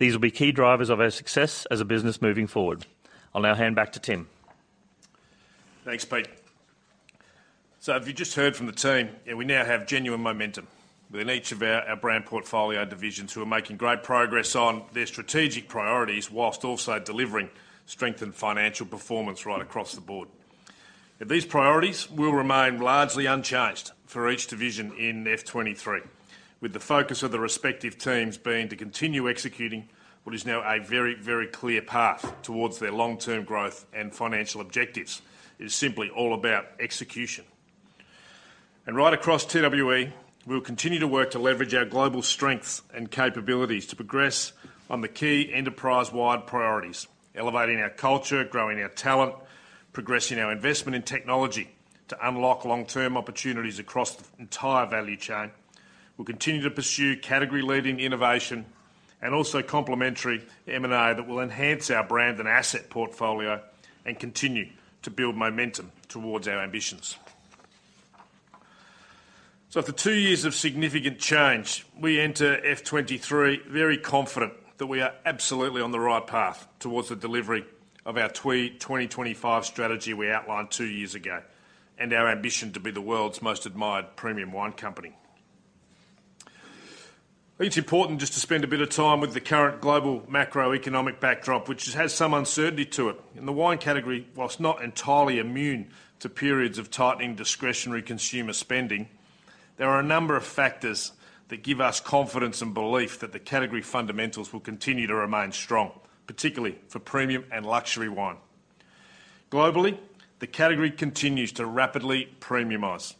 These will be key drivers of our success as a business moving forward. I'll now hand back to Tim. Thanks, Pete. So as you've just heard from the team, yeah, we now have genuine momentum within each of our brand portfolio divisions who are making great progress on their strategic priorities while also delivering strengthened financial performance right across the board. These priorities will remain largely unchanged for each division in FY23, with the focus of the respective teams being to continue executing what is now a very, very clear path towards their long-term growth and financial objectives. It is simply all about execution. Right across TWE, we'll continue to work to leverage our global strengths and capabilities to progress on the key enterprise-wide priorities, elevating our culture, growing our talent, progressing our investment in technology to unlock long-term opportunities across the entire value chain. We'll continue to pursue category-leading innovation and also complementary M&A that will enhance our brand and asset portfolio and continue to build momentum towards our ambitions. After two years of significant change, we enter FY23 very confident that we are absolutely on the right path towards the delivery of our 2025 strategy we outlined two years ago, and our ambition to be the world's most admired premium wine company. It's important just to spend a bit of time with the current global macroeconomic backdrop, which has some uncertainty to it. In the wine category, while not entirely immune to periods of tightening discretionary consumer spending, there are a number of factors that give us confidence and belief that the category fundamentals will continue to remain strong, particularly for premium and luxury wine. Globally, the category continues to rapidly premiumize,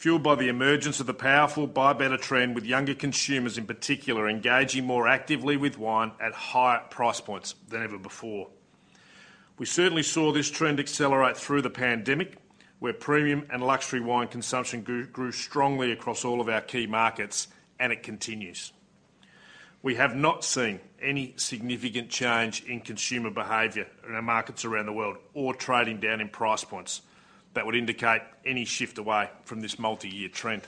fueled by the emergence of the powerful buy better trend with younger consumers, in particular, engaging more actively with wine at higher price points than ever before. We certainly saw this trend accelerate through the pandemic, where premium and luxury wine consumption grew strongly across all of our key markets, and it continues. We have not seen any significant change in consumer behavior in our markets around the world or trading down in price points that would indicate any shift away from this multi-year trend.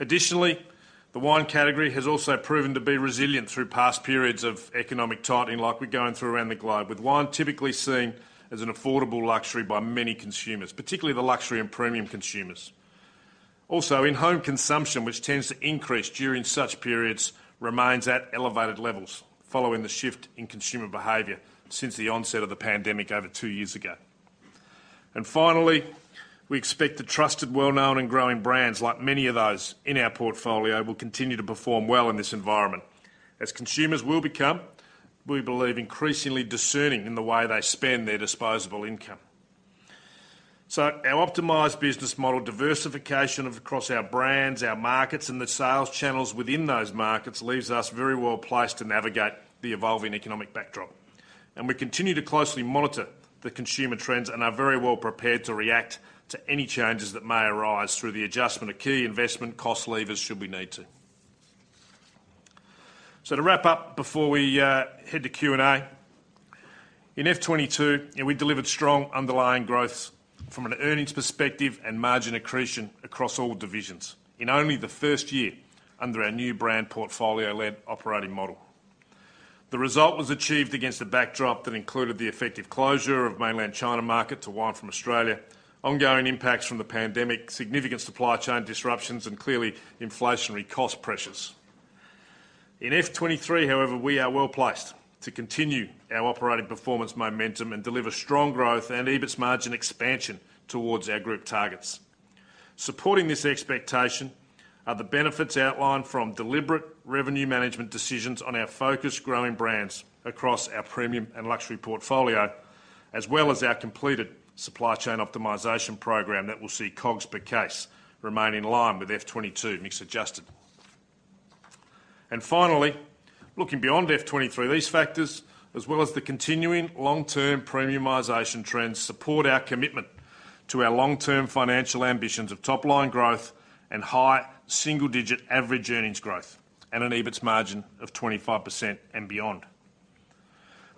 Additionally, the wine category has also proven to be resilient through past periods of economic tightening like we're going through around the globe, with wine typically seen as an affordable luxury by many consumers, particularly the luxury and premium consumers. Also, in-home consumption, which tends to increase during such periods, remains at elevated levels following the shift in consumer behavior since the onset of the pandemic over two years ago. Finally, we expect the trusted, well-known, and growing brands, like many of those in our portfolio, will continue to perform well in this environment as consumers will become, we believe, increasingly discerning in the way they spend their disposable income. Our optimized business model diversification of across our brands, our markets, and the sales channels within those markets leaves us very well-placed to navigate the evolving economic backdrop. We continue to closely monitor the consumer trends and are very well prepared to react to any changes that may arise through the adjustment of key investment cost levers should we need to. To wrap up before we head to Q&A. In FY22, you know, we delivered strong underlying growth from an earnings perspective and margin accretion across all divisions in only the first year under our new brand portfolio-led operating model. The result was achieved against a backdrop that included the effective closure of Mainland China market to wine from Australia, ongoing impacts from the pandemic, significant supply chain disruptions, and clearly inflationary cost pressures. In FY23, however, we are well-placed to continue our operating performance momentum and deliver strong growth and EBITS margin expansion towards our group targets. Supporting this expectation are the benefits outlined from deliberate revenue management decisions on our focused growing brands across our premium and luxury portfolio, as well as our completed supply chain optimization program that will see COGS per case remain in line with FY22 mix adjusted. Finally, looking beyond F 23, these factors, as well as the continuing long-term premiumization trends, support our commitment to our long-term financial ambitions of top-line growth and high single-digit average earnings growth and an EBITS margin of 25% and beyond.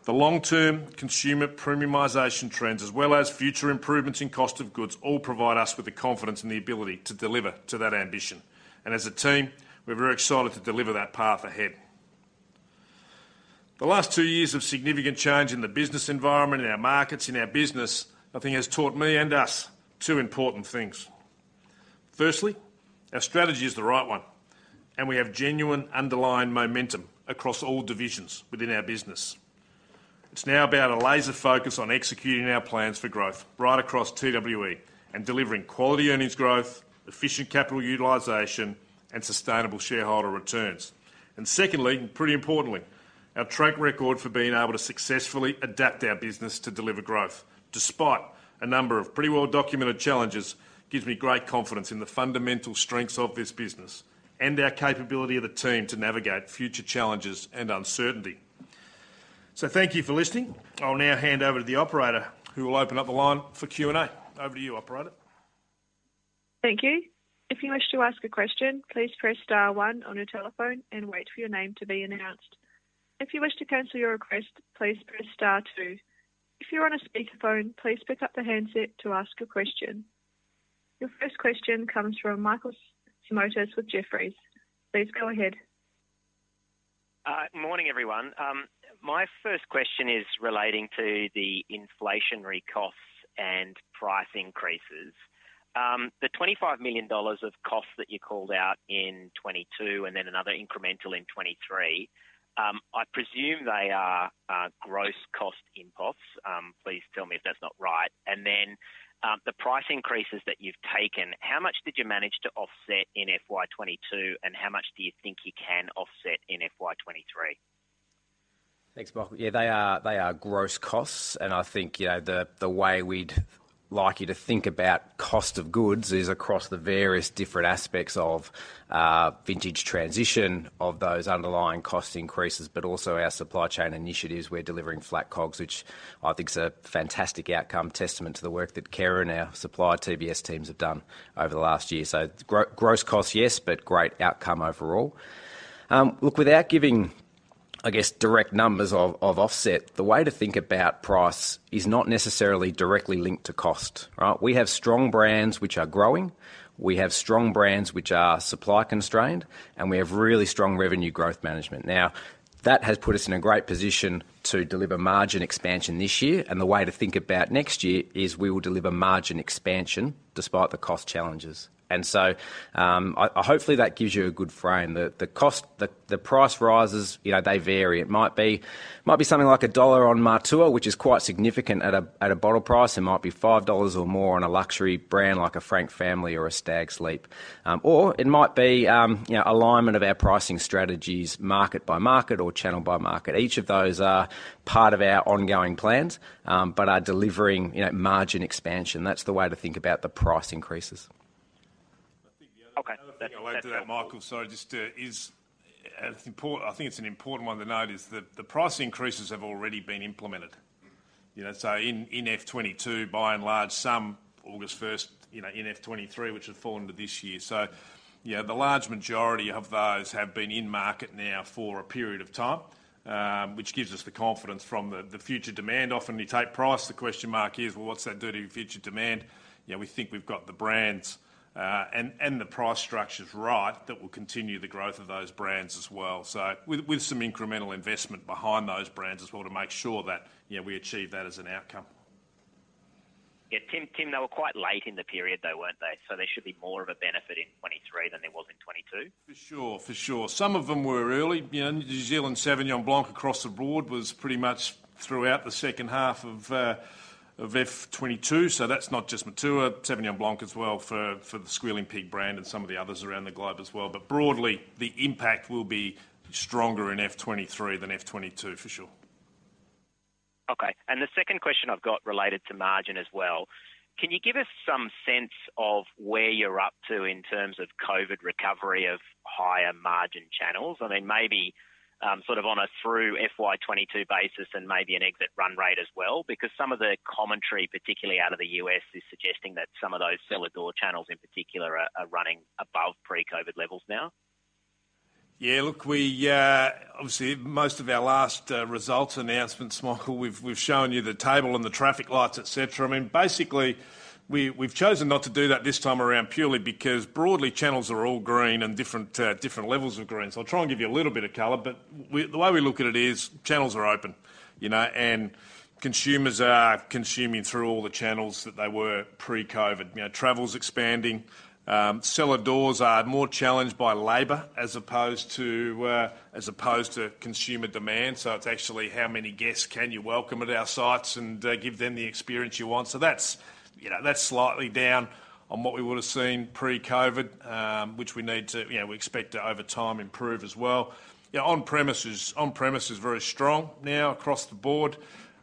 The long-term consumer premiumization trends, as well as future improvements in cost of goods, all provide us with the confidence and the ability to deliver to that ambition. As a team, we're very excited to deliver that path ahead. The last two years of significant change in the business environment, in our markets, in our business, I think has taught me and us two important things. Firstly, our strategy is the right one, and we have genuine underlying momentum across all divisions within our business. It's now about a laser focus on executing our plans for growth right across TWE and delivering quality earnings growth, efficient capital utilization, and sustainable shareholder returns. Secondly, and pretty importantly, our track record for being able to successfully adapt our business to deliver growth despite a number of pretty well-documented challenges, gives me great confidence in the fundamental strengths of this business and our capability of the team to navigate future challenges and uncertainty. Thank you for listening. I'll now hand over to the operator who will open up the line for Q&A. Over to you, operator. Thank you. If you wish to ask a question, please press star one on your telephone and wait for your name to be announced. If you wish to cancel your request, please press star two. If you're on a speakerphone, please pick up the handset to ask a question. Your first question comes from Marcus Diebel with Jefferies. Please go ahead. Morning, everyone. My first question is relating to the inflationary costs and price increases. The 25 million dollars of costs that you called out in 2022 and then another incremental in 2023, I presume they are gross cost inputs. Please tell me if that's not right. The price increases that you've taken, how much did you manage to offset in FY22, and how much do you think you can offset in FY23? Thanks, Marcus. Yeah, they are gross costs. I think, you know, the way we'd like you to think about cost of goods is across the various different aspects of vintage transition of those underlying cost increases, but also our supply chain initiatives. We're delivering flat COGS, which I think is a fantastic outcome, testament to the work that Kerrin and our supplier TBS teams have done over the last year. So gross costs, yes, but great outcome overall. Look, without giving, I guess, direct numbers of offset, the way to think about price is not necessarily directly linked to cost. Right? We have strong brands which are growing. We have strong brands which are supply constrained, and we have really strong revenue growth management. Now, that has put us in a great position to deliver margin expansion this year, and the way to think about next year is we will deliver margin expansion despite the cost challenges. Hopefully that gives you a good frame. The cost, the price rises, you know, they vary. It might be something like AUD 1 on Matua, which is quite significant at a bottle price. It might be 5 dollars or more on a luxury brand like a Frank Family or a Stags' Leap. Or it might be, you know, alignment of our pricing strategies market by market or channel by market. Each of those are part of our ongoing plans, but are delivering, you know, margin expansion. That's the way to think about the price increases. Okay. Another thing I'll add to that, Marcus. Sorry, just, I think it's an important one to note is that the price increases have already been implemented. You know, in FY22, by and large, some August 1, you know, in FY23, which would fall into this year. You know, the large majority of those have been in market now for a period of time, which gives us the confidence from the future demand. Often you take price, the question mark is, well, what's that do to future demand? You know, we think we've got the brands and the price structures right that will continue the growth of those brands as well. With some incremental investment behind those brands as well to make sure that, you know, we achieve that as an outcome. Yeah. Tim, they were quite late in the period though, weren't they? There should be more of a benefit in 2023 than there was in 2022. For sure. Some of them were early. You know, New Zealand Sauvignon Blanc across the board was pretty much throughout the second half of FY22. That's not just Matua. Sauvignon Blanc as well for the Squealing Pig brand and some of the others around the globe as well. Broadly, the impact will be stronger in FY23 than FY22 for sure. Okay. The second question I've got related to margin as well. Can you give us some sense of where you're up to in terms of COVID recovery of higher margin channels? I mean, maybe, sort of on a through FY22 basis and maybe an exit run rate as well, because some of the commentary, particularly out of the US, is suggesting that some of those cellar door channels in particular are running above pre-COVID levels now. Yeah. Look, we obviously most of our last results announcements, Marcus, we've shown you the table and the traffic lights, et cetera. I mean, basically, we've chosen not to do that this time around purely because broadly, channels are all green and different levels of green. I'll try and give you a little bit of color, but the way we look at it is channels are open, you know, and consumers are consuming through all the channels that they were pre-COVID. You know, travel's expanding. Cellar doors are more challenged by labor as opposed to consumer demand. It's actually how many guests can you welcome at our sites and give them the experience you want. That's, you know, that's slightly down on what we would've seen pre-COVID, which we need to, you know, we expect to over time improve as well. You know, on-premise is very strong now across the board.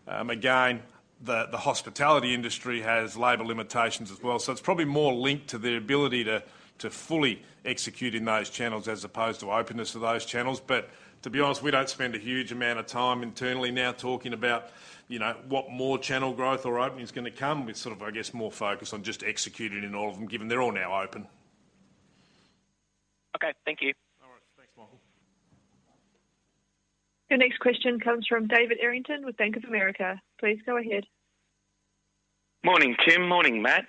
Again, the hospitality industry has labor limitations as well. It's probably more linked to their ability to fully execute in those channels as opposed to openness of those channels. But to be honest, we don't spend a huge amount of time internally now talking about, you know, what more channel growth or opening is gonna come. We're sort of, I guess, more focused on just executing in all of them, given they're all now open. Okay. Thank you. All right. Thanks, Marcus. Your next question comes from David Errington with Bank of America. Please go ahead. Morning, Tim. Morning, Matt.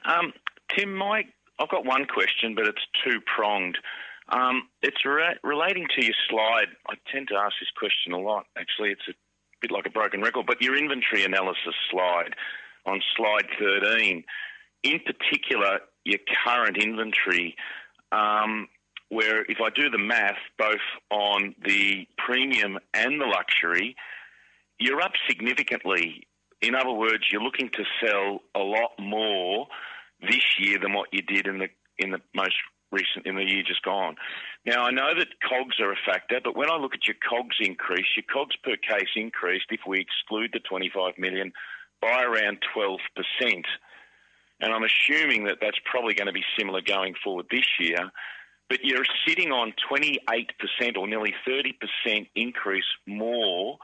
Tim, Mike, I've got one question, but it's two-pronged. It's relating to your slide. I tend to ask this question a lot, actually. It's a bit like a broken record. Your inventory analysis slide on Slide 13, in particular, your current inventory, where if I do the math, both on the premium and the luxury, you're up significantly. In other words, you're looking to sell a lot more this year than what you did in the most recent year just gone. I know that COGS are a factor, but when I look at your COGS increase, your COGS per case increased, if we exclude the 25 million, by around 12%. I'm assuming that that's probably gonna be similar going forward this year. You're sitting on 28% or nearly 30% increase more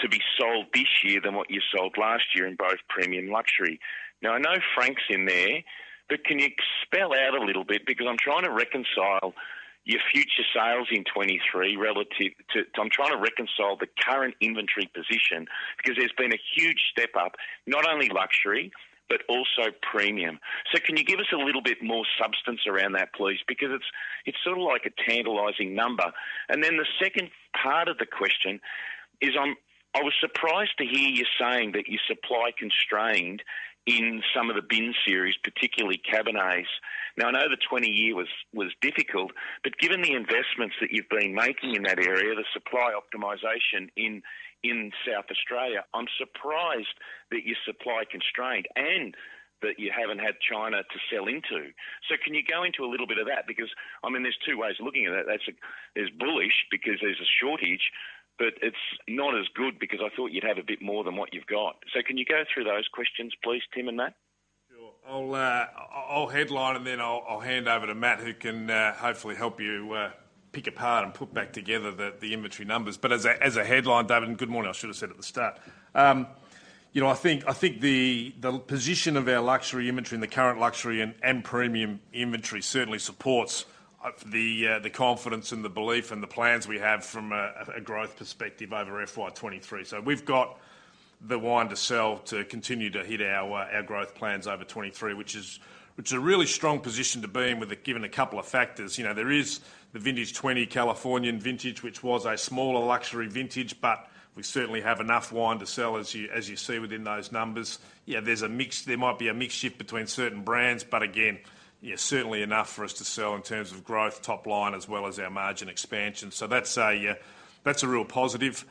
to be sold this year than what you sold last year in both premium luxury. Now, I know Frank's in there, but can you spell out a little bit because I'm trying to reconcile your future sales in 2023 relative to the current inventory position because there's been a huge step up, not only luxury, but also premium. So can you give us a little bit more substance around that, please? Because it's sort of like a tantalizing number. Then the second part of the question is, I was surprised to hear you saying that you're supply constrained in some of the Bin series, particularly Cabernets. Now, I know the 20-year was difficult, but given the investments that you've been making in that area, the supply optimization in South Australia. I'm surprised that you're supply constrained and that you haven't had China to sell into. Can you go into a little bit of that? I mean, there's two ways of looking at it. That's bullish because there's a shortage, but it's not as good because I thought you'd have a bit more than what you've got. Can you go through those questions, please, Tim and Matt? Sure. I'll headline, and then I'll hand over to Matt, who can hopefully help you pick apart and put back together the inventory numbers. As a headline, David, good morning, I should have said at the start. You know, I think the position of our luxury inventory and the current luxury and premium inventory certainly supports the confidence and the belief and the plans we have from a growth perspective over FY23. We've got the wine to sell to continue to hit our growth plans over 2023, which is a really strong position to be in given a couple of factors. You know, there is the 2020 Californian vintage, which was a smaller luxury vintage, but we certainly have enough wine to sell as you see within those numbers. Yeah, there's a mix, there might be a mix shift between certain brands, but again, yeah, certainly enough for us to sell in terms of growth top line as well as our margin expansion. That's a, that's a real positive.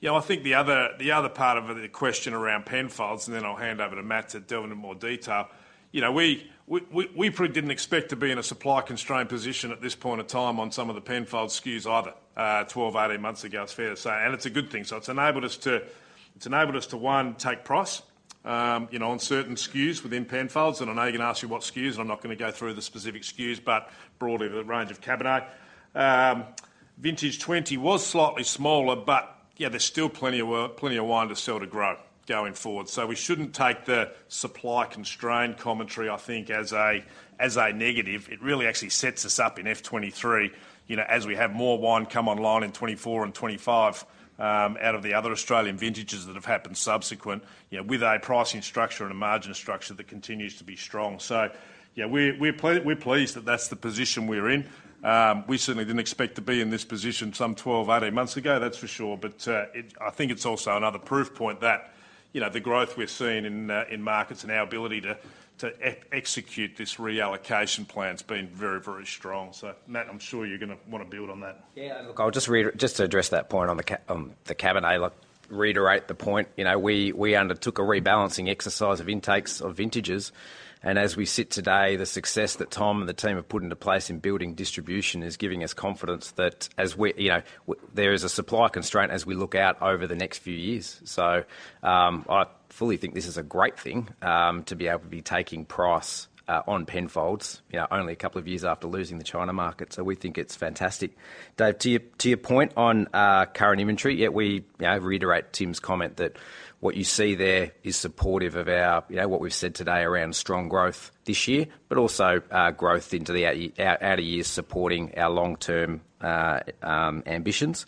You know, I think the other part of the question around Penfolds, and then I'll hand over to Matt to delve into more detail. You know, we pretty didn't expect to be in a supply constrained position at this point of time on some of the Penfolds SKUs either, 12, 18 months ago, it's fair to say, and it's a good thing. It's enabled us to one, take price, you know, on certain SKUs within Penfolds, and I know you're gonna ask me what SKUs, and I'm not gonna go through the specific SKUs, but broadly the range of Cabernet. Vintage 2020 was slightly smaller, but there's still plenty of work, plenty of wine to sell to grow going forward. We shouldn't take the supply constrained commentary, I think, as a negative. It really actually sets us up in FY23, you know, as we have more wine come online in 2024 and 2025, out of the other Australian vintages that have happened subsequent, you know, with a pricing structure and a margin structure that continues to be strong. We're pleased that that's the position we're in. We certainly didn't expect to be in this position some 12, 18 months ago, that's for sure. It, I think it's also another proof point that, you know, the growth we're seeing in in markets and our ability to execute this reallocation plan's been very, very strong. Matt, I'm sure you're gonna wanna build on that. Yeah. Look, I'll just to address that point on the Cabernet, like, reiterate the point. You know, we undertook a rebalancing exercise of intakes of vintages, and as we sit today, the success that Tom and the team have put into place in building distribution is giving us confidence that as we're, you know, there is a supply constraint as we look out over the next few years. I fully think this is a great thing to be able to be taking price on Penfolds, you know, only a couple of years after losing the China market. We think it's fantastic. Dave, to your point on current inventory, yeah, we, you know, reiterate Tim's comment that what you see there is supportive of our, you know, what we've said today around strong growth this year, but also, growth into the outer years supporting our long-term ambitions.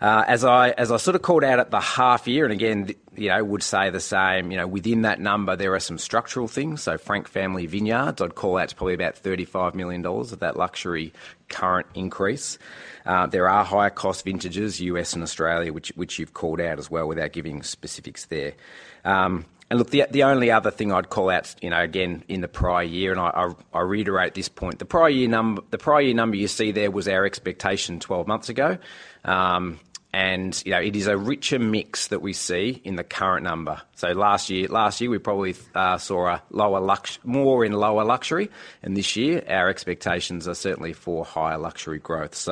As I sort of called out at the half-year, and again, you know, I would say the same, you know, within that number, there are some structural things. Frank Family Vineyards, I'd call out to probably about $35 million of that luxury current increase. There are higher cost vintages, US and Australia, which you've called out as well without giving specifics there. Look, the only other thing I'd call out, you know, again, in the prior year, and I reiterate this point. The prior year number you see there was our expectation 12 months ago. You know, it is a richer mix that we see in the current number. Last year, we probably saw more in lower luxury, and this year, our expectations are certainly for higher luxury growth.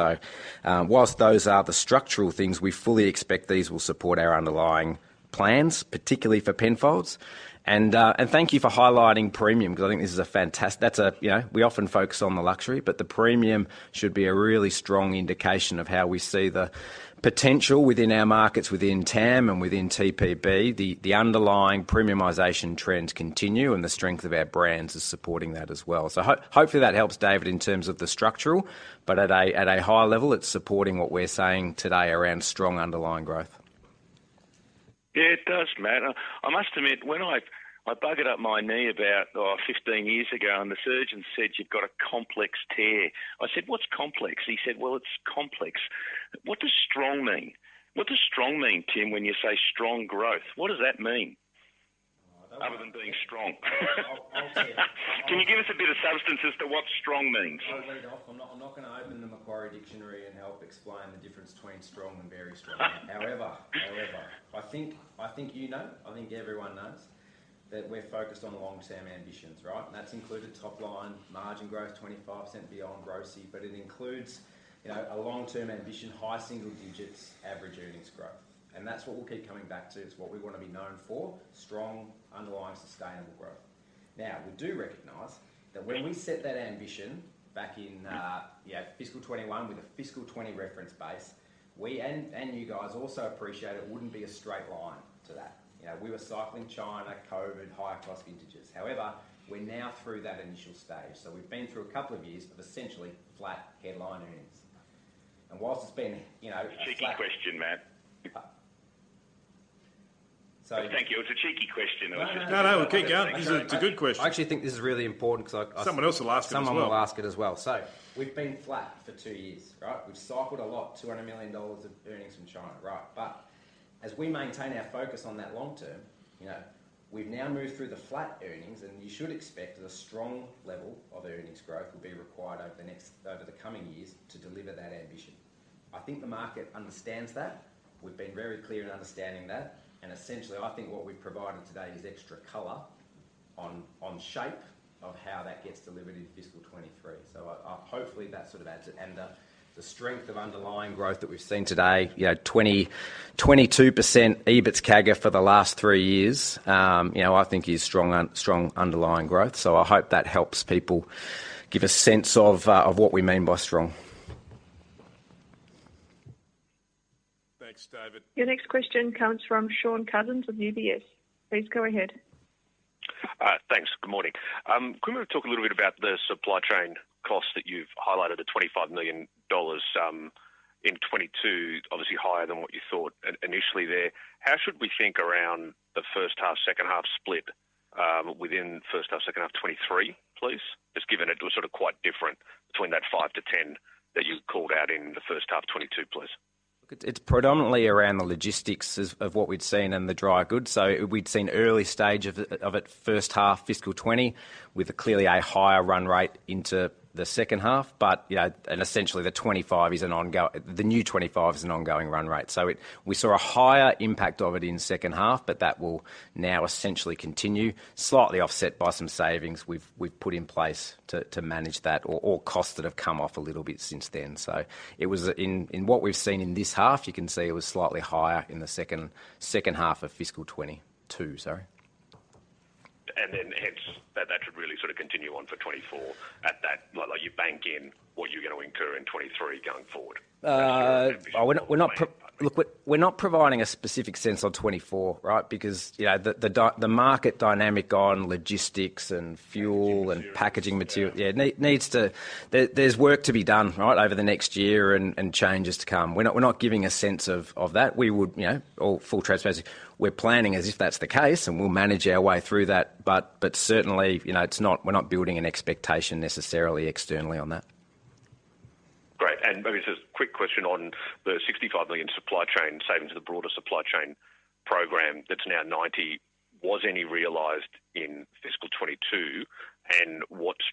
While those are the structural things, we fully expect these will support our underlying plans, particularly for Penfolds. Thank you for highlighting premium because I think that's a, you know, we often focus on the luxury, but the premium should be a really strong indication of how we see the potential within our markets, within TAM and within TPB. The underlying premiumization trends continue, and the strength of our brands is supporting that as well. Hopefully that helps, David, in terms of the structural, but at a higher level, it's supporting what we're saying today around strong underlying growth. Yeah, it does, Matt. I must admit, when I buggered up my knee about, oh, 15 years ago, and the surgeon said, "You've got a complex tear." I said, "What's complex?" He said, "Well, it's complex." What does strong mean? What does strong mean, Tim, when you say strong growth? What does that mean? Oh, that one. Other than being strong. I'll set- Can you give us a bit of substance as to what strong means? I'll read off. I'm not gonna open the Macquarie Dictionary and help explain the difference between strong and very strong. However, I think you know, I think everyone knows that we're focused on the long-term ambitions, right? That's included top line margin growth, 25% EBIT margin, but it includes, you know, a long-term ambition, high single digits average earnings growth. That's what we'll keep coming back to. It's what we wanna be known for, strong, underlying, sustainable growth. Now, we do recognize that when we set that ambition back in fiscal 2021 with a fiscal 2020 reference base, we and you guys also appreciated it wouldn't be a straight line to that. You know, we were cycling China, COVID, higher cost vintages. However, we're now through that initial stage. We've been through a couple of years of essentially flat headline earnings. While it's been, you know, flat- Cheeky question, Matt. So- Thank you. It was a cheeky question. I was just. No, no. We'll kick out. This is a good question. I actually think this is really important 'cause I. Someone else will ask it as well. Someone will ask it as well. We've been flat for two years, right? We've cycled a lot, 200 million dollars of earnings from China, right? As we maintain our focus on that long term, you know, we've now moved through the flat earnings, and you should expect that a strong level of earnings growth will be required over the coming years to deliver that ambition. I think the market understands that. We've been very clear in understanding that. Essentially, I think what we've provided today is extra color on shape of how that gets delivered into fiscal 2023. Hopefully that sort of adds it. The strength of underlying growth that we've seen today, you know, 22% EBITS CAGR for the last three years, you know, I think is strong underlying growth. I hope that helps people give a sense of what we mean by strong. Thanks, David. Your next question comes from Shaun Cousins of UBS. Please go ahead. Thanks. Good morning. Can we talk a little bit about the supply chain costs that you've highlighted at 25 million dollars, in 2022, obviously higher than what you thought initially there. How should we think around the first half, second half split, within first half, second half 2023, please? Just given it was sort of quite different between that 5 million-10 million that you called out in the first half of 2022, please. Look, it's predominantly around the logistics of what we'd seen in the dry goods. We'd seen early stage of it first half fiscal 20, with clearly a higher run rate into the second half. You know, essentially the 25 is an ongoing run rate. The new 25 is an ongoing run rate. We saw a higher impact of it in second half, but that will now essentially continue, slightly offset by some savings we've put in place to manage that or costs that have come off a little bit since then. It was in what we've seen in this half, you can see it was slightly higher in the second half of fiscal 22. Sorry. Hence, that should really sort of continue on for 2024 at that. Like you bank in what you're gonna incur in 2023 going forward. Uh- Is that your ambition for 20- We're not I think. Look, we're not providing a specific sense on 2024, right? Because, you know, the market dynamic on logistics and fuel- Packaging material. Yeah. Packaging material. Yeah. Needs to. There's work to be done, right, over the next year and changes to come. We're not giving a sense of that. We would, you know, all full transparency. We're planning as if that's the case, and we'll manage our way through that. Certainly, you know, it's not. We're not building an expectation necessarily externally on that. Great. Maybe just a quick question on the AUD 65 million supply chain savings, the broader supply chain program that's now 90 million. Was any realized in fiscal 2022? What's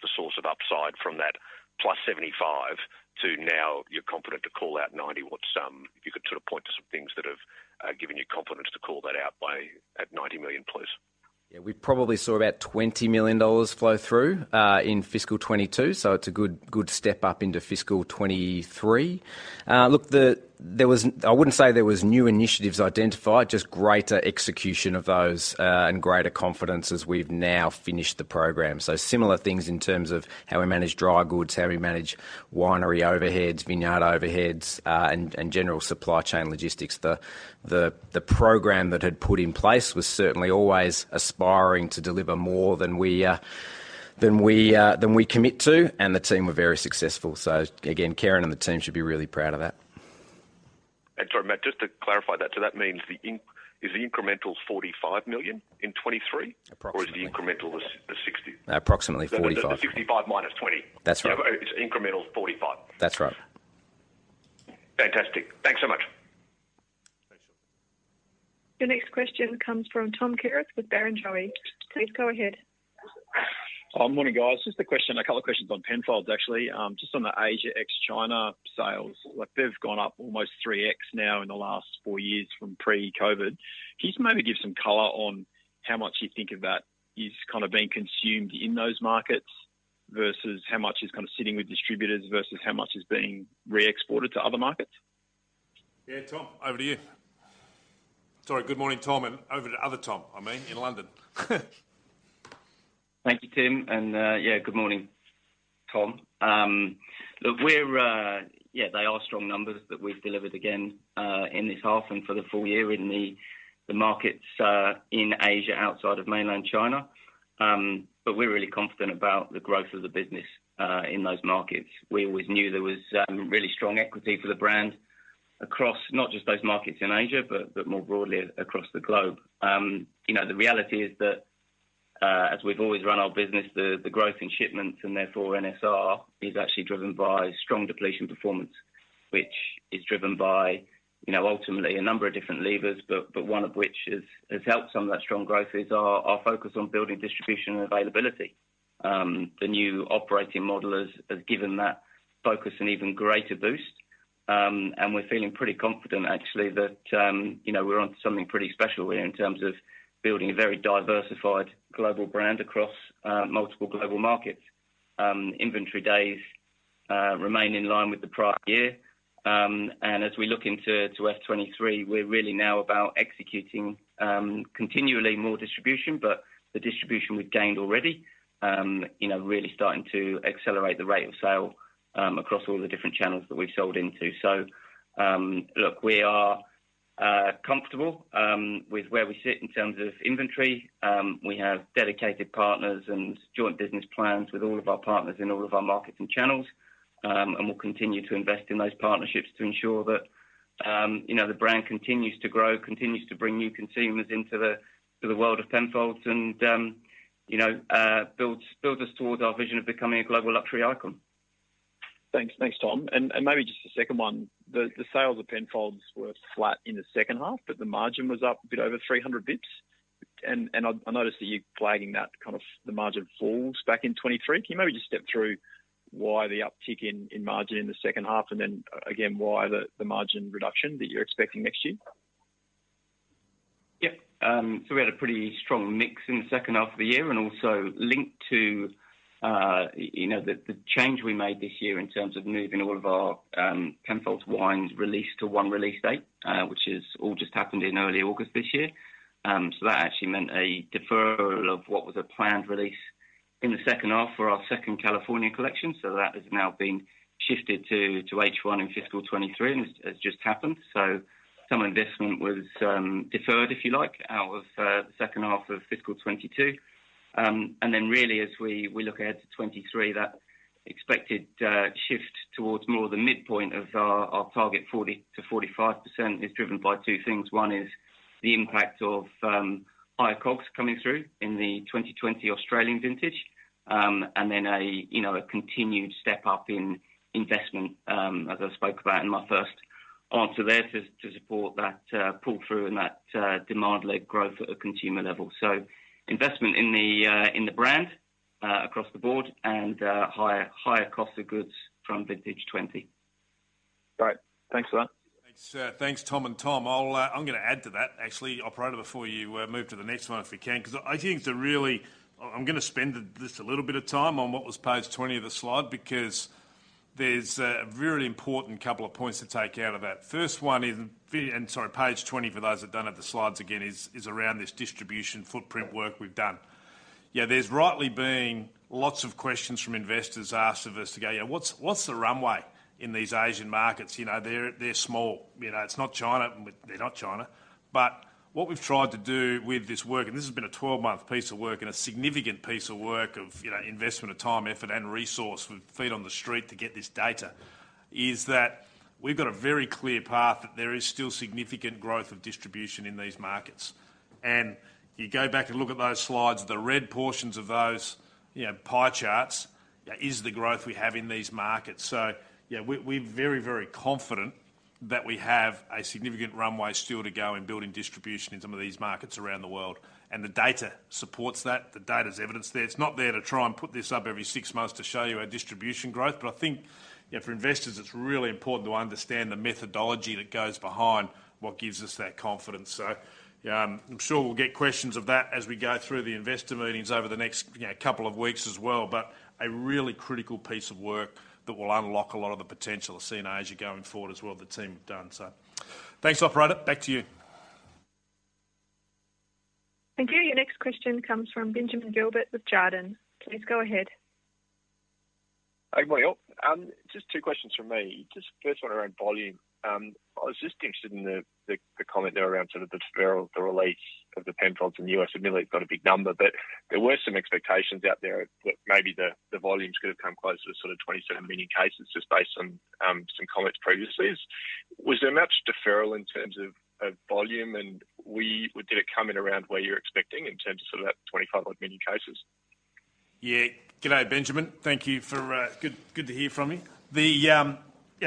the source of upside from that plus 75 to now you're confident to call out 90? If you could sort of point to some things that have given you confidence to call that out by at 90 million, please. Yeah. We probably saw about 20 million dollars flow through in fiscal 2022. It's a good step up into fiscal 2023. There was—I wouldn't say there was new initiatives identified, just greater execution of those, and greater confidence as we've now finished the program. Similar things in terms of how we manage dry goods, how we manage winery overheads, vineyard overheads, and general supply chain logistics. The program that had put in place was certainly always aspiring to deliver more than we commit to, and the team were very successful. Again, Karen and the team should be really proud of that. Sorry, Matt, just to clarify that. That means the incremental 45 million in 2023? Approximately. Is the incremental the 60? Approximately 45. The 65 minus 20. That's right. It's incremental 45. That's right. Fantastic. Thanks so much. Your next question comes from Tom Kierath with Barrenjoey. Please go ahead. Morning, guys. Just a question, a couple of questions on Penfolds, actually. Just on the Asia ex-China sales. Like, they've gone up almost 3x now in the last four years from pre-COVID. Can you maybe give some color on how much you think of that is kind of being consumed in those markets versus how much is kind of sitting with distributors versus how much is being re-exported to other markets? Yeah, Tom, over to you. Sorry. Good morning, Tom. Over to other Tom, I mean, in London. Thank you, Tim. Good morning, Tom. They are strong numbers that we've delivered again in this half and for the full-year in the markets in Asia outside of mainland China. We're really confident about the growth of the business in those markets. We always knew there was really strong equity for the brand across not just those markets in Asia, but more broadly across the globe. You know, the reality is that as we've always run our business, the growth in shipments and therefore NSR is actually driven by strong depletion performance, which is driven by you know ultimately a number of different levers, but one of which has helped some of that strong growth is our focus on building distribution and availability. The new operating model has given that focus an even greater boost. We're feeling pretty confident actually that, you know, we're onto something pretty special here in terms of building a very diversified global brand across multiple global markets. Inventory days remain in line with the prior year. As we look into FY23, we're really now about executing continually more distribution, but the distribution we've gained already, you know, really starting to accelerate the rate of sale across all the different channels that we've sold into. Look, we are comfortable with where we sit in terms of inventory. We have dedicated partners and joint business plans with all of our partners in all of our markets and channels. We'll continue to invest in those partnerships to ensure that, you know, the brand continues to grow, continues to bring new consumers into the world of Penfolds and, you know, builds us towards our vision of becoming a global luxury icon. Thanks, Tom. Maybe just a second one. The sales of Penfolds were flat in the second half, but the margin was up a bit over 300 basis points. I noticed that you're flagging that kind of the margin falls back in 2023. Can you maybe just step through why the uptick in margin in the second half? Then again, why the margin reduction that you're expecting next year? Yep. We had a pretty strong mix in the second half of the year, and also linked to you know, the change we made this year in terms of moving all of our Penfolds wines release to one release date, which is all just happened in early August this year. That actually meant a deferral of what was a planned release in the second half for our second California collection. That has now been shifted to H1 in fiscal 2023, and it's just happened. Some investment was deferred, if you like, out of the second half of fiscal 2022. Then really as we look ahead to 2023, that expected shift towards more the midpoint of our target 40%-45% is driven by two things. One is the impact of higher COGS coming through in the 2020 Australian vintage. You know, a continued step up in investment as I spoke about in my first answer there to support that pull through and that demand-led growth at a consumer level. Investment in the brand across the board and higher cost of goods from vintage 2020. Great. Thanks for that. Thanks, Tom and Tom. I'm gonna add to that actually, operator, before you move to the next one, if we can, 'cause I think it's a really important thing. I'm gonna spend just a little bit of time on what was page 20 of the slide because there's a very important couple of points to take out of that. First one is, and sorry, page 20 for those that don't have the slides, again, is around this distribution footprint work we've done. Yeah, there's rightly been lots of questions from investors asked of us to go, "Yeah, what's the runway in these Asian markets?" You know, they're small. You know, it's not China, and they're not China. What we've tried to do with this work, and this has been a 12-month piece of work and a significant piece of work of, you know, investment of time, effort, and resource with feet on the street to get this data, is that we've got a very clear path that there is still significant growth of distribution in these markets. You go back and look at those slides, the red portions of those, you know, pie charts, is the growth we have in these markets. Yeah, we're very, very confident that we have a significant runway still to go in building distribution in some of these markets around the world, and the data supports that. The data's evidence there. It's not there to try and put this up every six months to show you our distribution growth. I think, you know, for investors, it's really important to understand the methodology that goes behind what gives us that confidence. I'm sure we'll get questions of that as we go through the investor meetings over the next, you know, couple of weeks as well. A really critical piece of work that will unlock a lot of the potential of Penfolds as you're going forward as well, the team have done. Thanks, operator. Back to you. Thank you. Your next question comes from Ben Gilbert with Jarden. Please go ahead. Hey, good morning all. Just two questions from me. Just first one around volume. I was just interested in the comment there around sort of the deferral, the release of the Penfolds in the U.S. I know it's not a big number, but there were some expectations out there that maybe the volumes could have come close to the sort of 27 million cases just based on some comments previously. Was there much deferral in terms of volume? Did it come in around where you're expecting in terms of sort of that 25-odd million cases? Yeah. Good day, Benjamin. Thank you. Good to hear from you.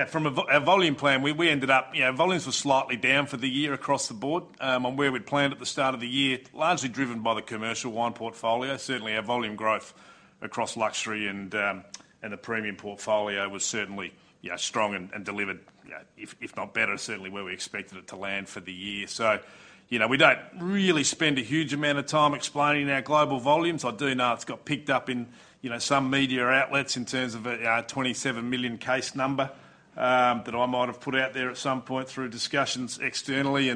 From our volume plan, we ended up, you know, volumes were slightly down for the year across the board on where we'd planned at the start of the year, largely driven by the commercial wine portfolio. Certainly, our volume growth across luxury and the premium portfolio was certainly, you know, strong and delivered, you know, if not better, certainly where we expected it to land for the year. You know, we don't really spend a huge amount of time explaining our global volumes. I do know it's got picked up in, you know, some media outlets in terms of a 27 million case number that I might have put out there at some point through discussions externally.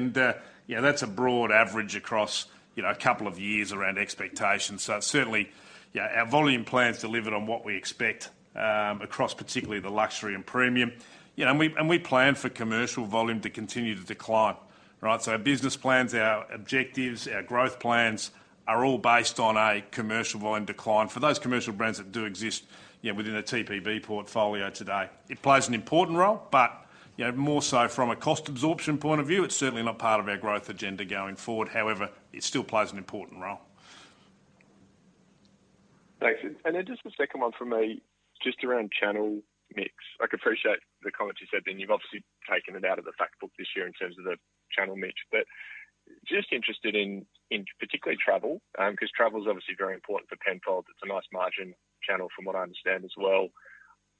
Yeah, that's a broad average across, you know, a couple of years around expectations. Certainly, you know, our volume plan's delivered on what we expect, across particularly the luxury and premium. You know, and we plan for commercial volume to continue to decline, right? Our business plans, our objectives, our growth plans are all based on a commercial volume decline. For those commercial brands that do exist, you know, within a TPB portfolio today, it plays an important role, but, you know, more so from a cost absorption point of view. It's certainly not part of our growth agenda going forward. However, it still plays an important role. Thanks. Then just the second one from me, just around channel mix. I can appreciate the comments you said then. You've obviously taken it out of the fact book this year in terms of the channel mix. Just interested in particularly travel, because travel's obviously very important for Penfolds. It's a nice margin channel from what I understand as well.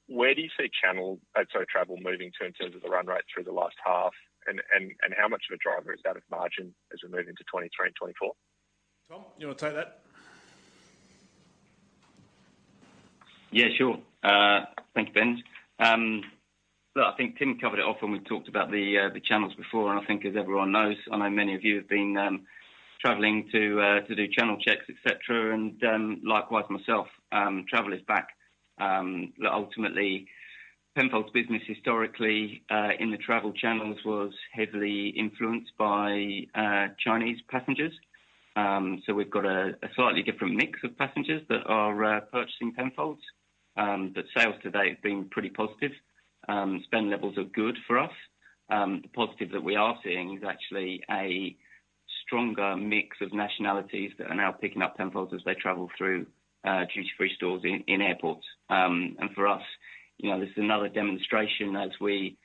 Where do you see travel moving to in terms of the run rate through the last half? And how much of a driver is that of margin as we move into 2023 and 2024? Tom, you wanna take that? Yeah, sure. Thank you, Ben. Look, I think Tim covered it off when we talked about the channels before. I think as everyone knows, I know many of you have been traveling to do channel checks, et cetera. Likewise myself, travel is back. Look, ultimately, Penfolds business historically in the travel channels was heavily influenced by Chinese passengers. So we've got a slightly different mix of passengers that are purchasing Penfolds. But sales to date have been pretty positive. Spend levels are good for us. The positive that we are seeing is actually a stronger mix of nationalities that are now picking up Penfolds as they travel through duty-free stores in airports. For us, you know, this is another demonstration as we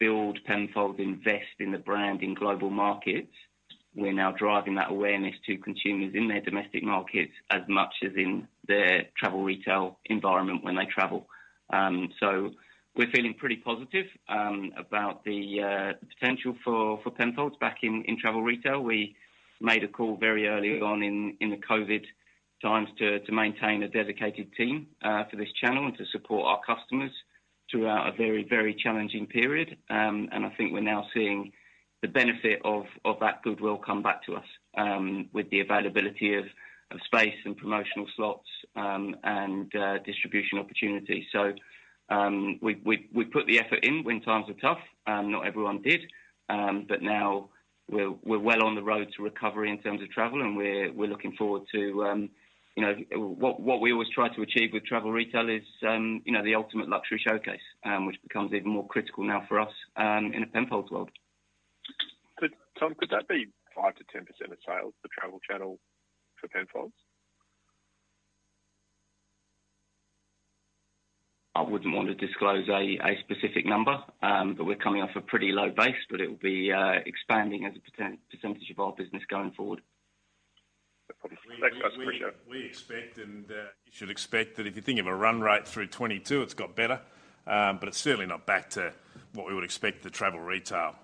build Penfolds, invest in the brand in global markets. We're now driving that awareness to consumers in their domestic markets as much as in their travel retail environment when they travel. We're feeling pretty positive about the potential for Penfolds back in travel retail. We made a call very early on in the COVID times to maintain a dedicated team for this channel and to support our customers throughout a very, very challenging period. I think we're now seeing the benefit of that goodwill come back to us with the availability of space and promotional slots and distribution opportunities. We put the effort in when times were tough, not everyone did. Now we're well on the road to recovery in terms of travel, and we're looking forward to, you know, what we always try to achieve with travel retail is, you know, the ultimate luxury showcase, which becomes even more critical now for us, in a Penfolds world. Tom, could that be 5%-10% of sales, the travel channel for Penfolds? I wouldn't want to disclose a specific number, but we're coming off a pretty low base, but it'll be expanding as a percentage of our business going forward. Thanks, guys. Appreciate it. We expect and you should expect that if you think of a run rate through 2022, it's got better. It's certainly not back to what we would expect the travel retail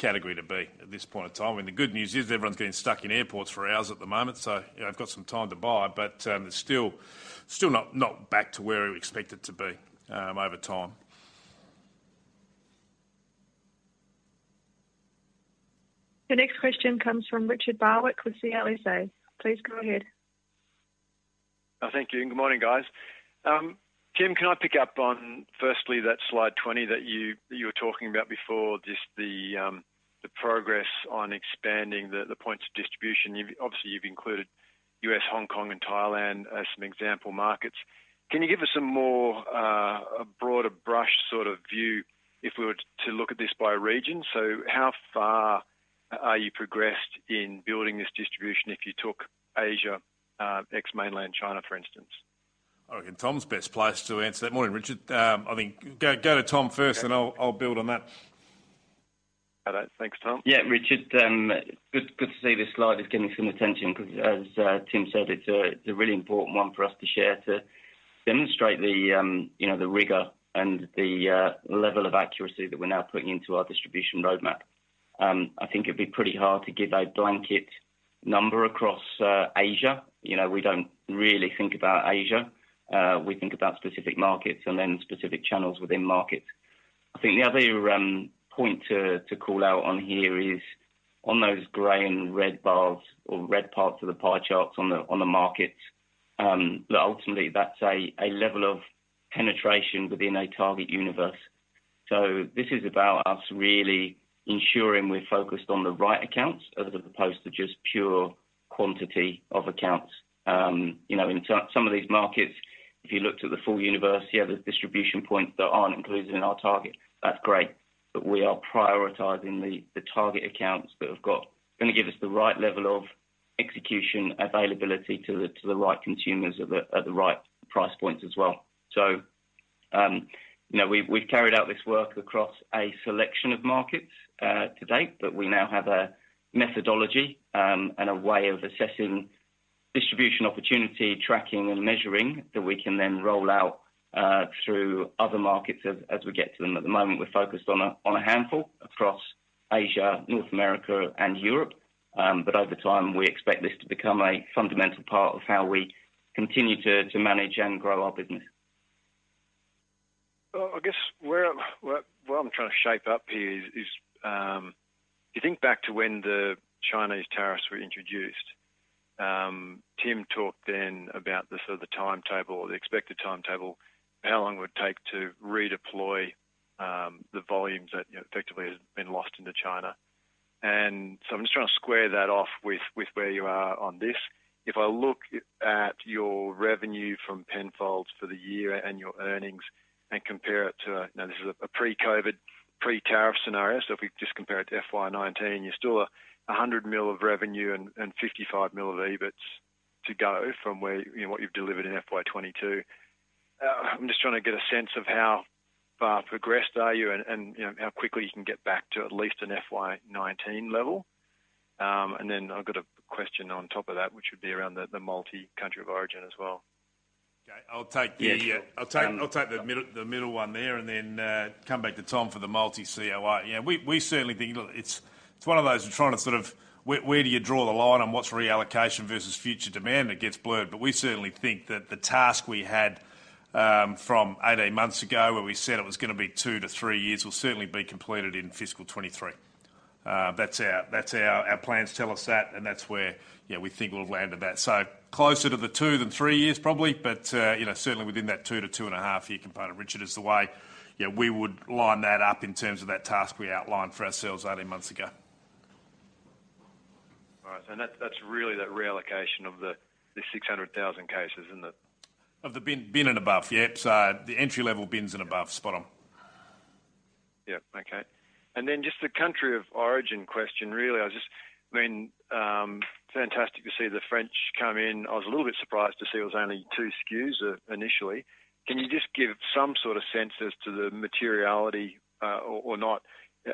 category to be at this point in time. I mean, the good news is everyone's getting stuck in airports for hours at the moment, so you know, they've got some time to buy. It's still not back to where we expect it to be over time. The next question comes from Richard Barwick with CLSA. Please go ahead. Oh, thank you, and good morning, guys. Tim, can I pick up on firstly that Slide 20 that you were talking about before, just the progress on expanding the points of distribution. You've obviously included US, Hong Kong, and Thailand as some example markets. Can you give us some more, a broader brush sort of view if we were to look at this by region? How far are you progressed in building this distribution if you took Asia, ex-mainland China, for instance? I think Tom's best placed to answer that. Morning, Richard. I think go to Tom first, and I'll build on that. All right. Thanks, Tom. Yeah, Richard, good to see this slide is getting some attention 'cause as Tim said, it's a really important one for us to share to demonstrate the you know, the rigor and the level of accuracy that we're now putting into our distribution roadmap. I think it'd be pretty hard to give a blanket number across Asia. You know, we don't really think about Asia. We think about specific markets and then specific channels within markets. I think the other point to call out on here is on those gray and red bars or red parts of the pie charts on the markets, look, ultimately, that's a level of penetration within a target universe. This is about us really ensuring we're focused on the right accounts as opposed to just pure quantity of accounts. You know, in some of these markets, if you looked at the full universe, yeah, there's distribution points that aren't included in our target. That's great, but we are prioritizing the target accounts that gonna give us the right level of execution availability to the right consumers at the right price points as well. You know, we've carried out this work across a selection of markets to date, but we now have a methodology and a way of assessing distribution opportunity, tracking and measuring that we can then roll out through other markets as we get to them. At the moment, we're focused on a handful across Asia, North America and Europe. Over time, we expect this to become a fundamental part of how we continue to manage and grow our business. Well, I guess what I'm trying to shape up here is, you think back to when the Chinese tariffs were introduced. Tim talked then about the sort of timetable or the expected timetable, how long it would take to redeploy the volumes that, you know, effectively had been lost into China. I'm just trying to square that off with where you are on this. If I look at your revenue from Penfolds for the year and your earnings and compare it to, now this is a pre-COVID, pre-tariff scenario, so if we just compare it to FY19, you're still 100 million of revenue and 55 million of EBIT to go from what you've delivered in FY22. I'm just trying to get a sense of how far progressed are you and you know, how quickly you can get back to at least an FY19 level. Then I've got a question on top of that, which would be around the multi-country of origin as well. Okay. Yeah, sure. I'll take the middle one there and then come back to Tom for the multi-country of origin. We certainly think, look, it's one of those we're trying to sort of where do you draw the line on what's reallocation versus future demand that gets blurred. We certainly think that the task we had from 18 months ago, where we said it was gonna be two to three years, will certainly be completed in fiscal 2023. That's our. Our plans tell us that, and that's where, you know, we think we'll have landed that. Closer to the two than three years probably, but, you know, certainly within that two to two point five year component, Richard, is the way, you know, we would line that up in terms of that task we outlined for ourselves 18 months ago. All right. That, that's really the reallocation of the 600,000 cases, isn't it? Of the Bin and above, yeah. The entry level Bins and above. Spot on. Yeah. Okay. Just the country of origin question, really. I just mean, fantastic to see the French come in. I was a little bit surprised to see it was only two SKUs, initially. Can you just give some sort of sense as to the materiality, or not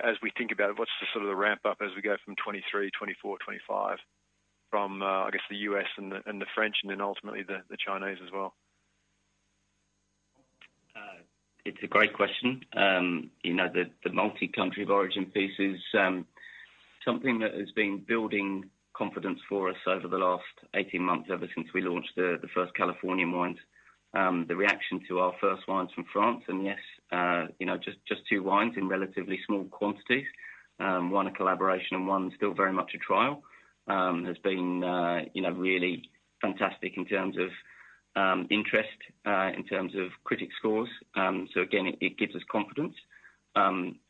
as we think about what's the sort of ramp-up as we go from 2023, 2024, 2025 from, I guess, the US and the French and then ultimately the Chinese as well? It's a great question. You know, the multi-country of origin piece is something that has been building confidence for us over the last 18 months, ever since we launched the first Californian wines. The reaction to our first wines from France, and yes, you know, just two wines in relatively small quantities, one a collaboration and one still very much a trial, has been, you know, really fantastic in terms of interest, in terms of critic scores. Again, it gives us confidence.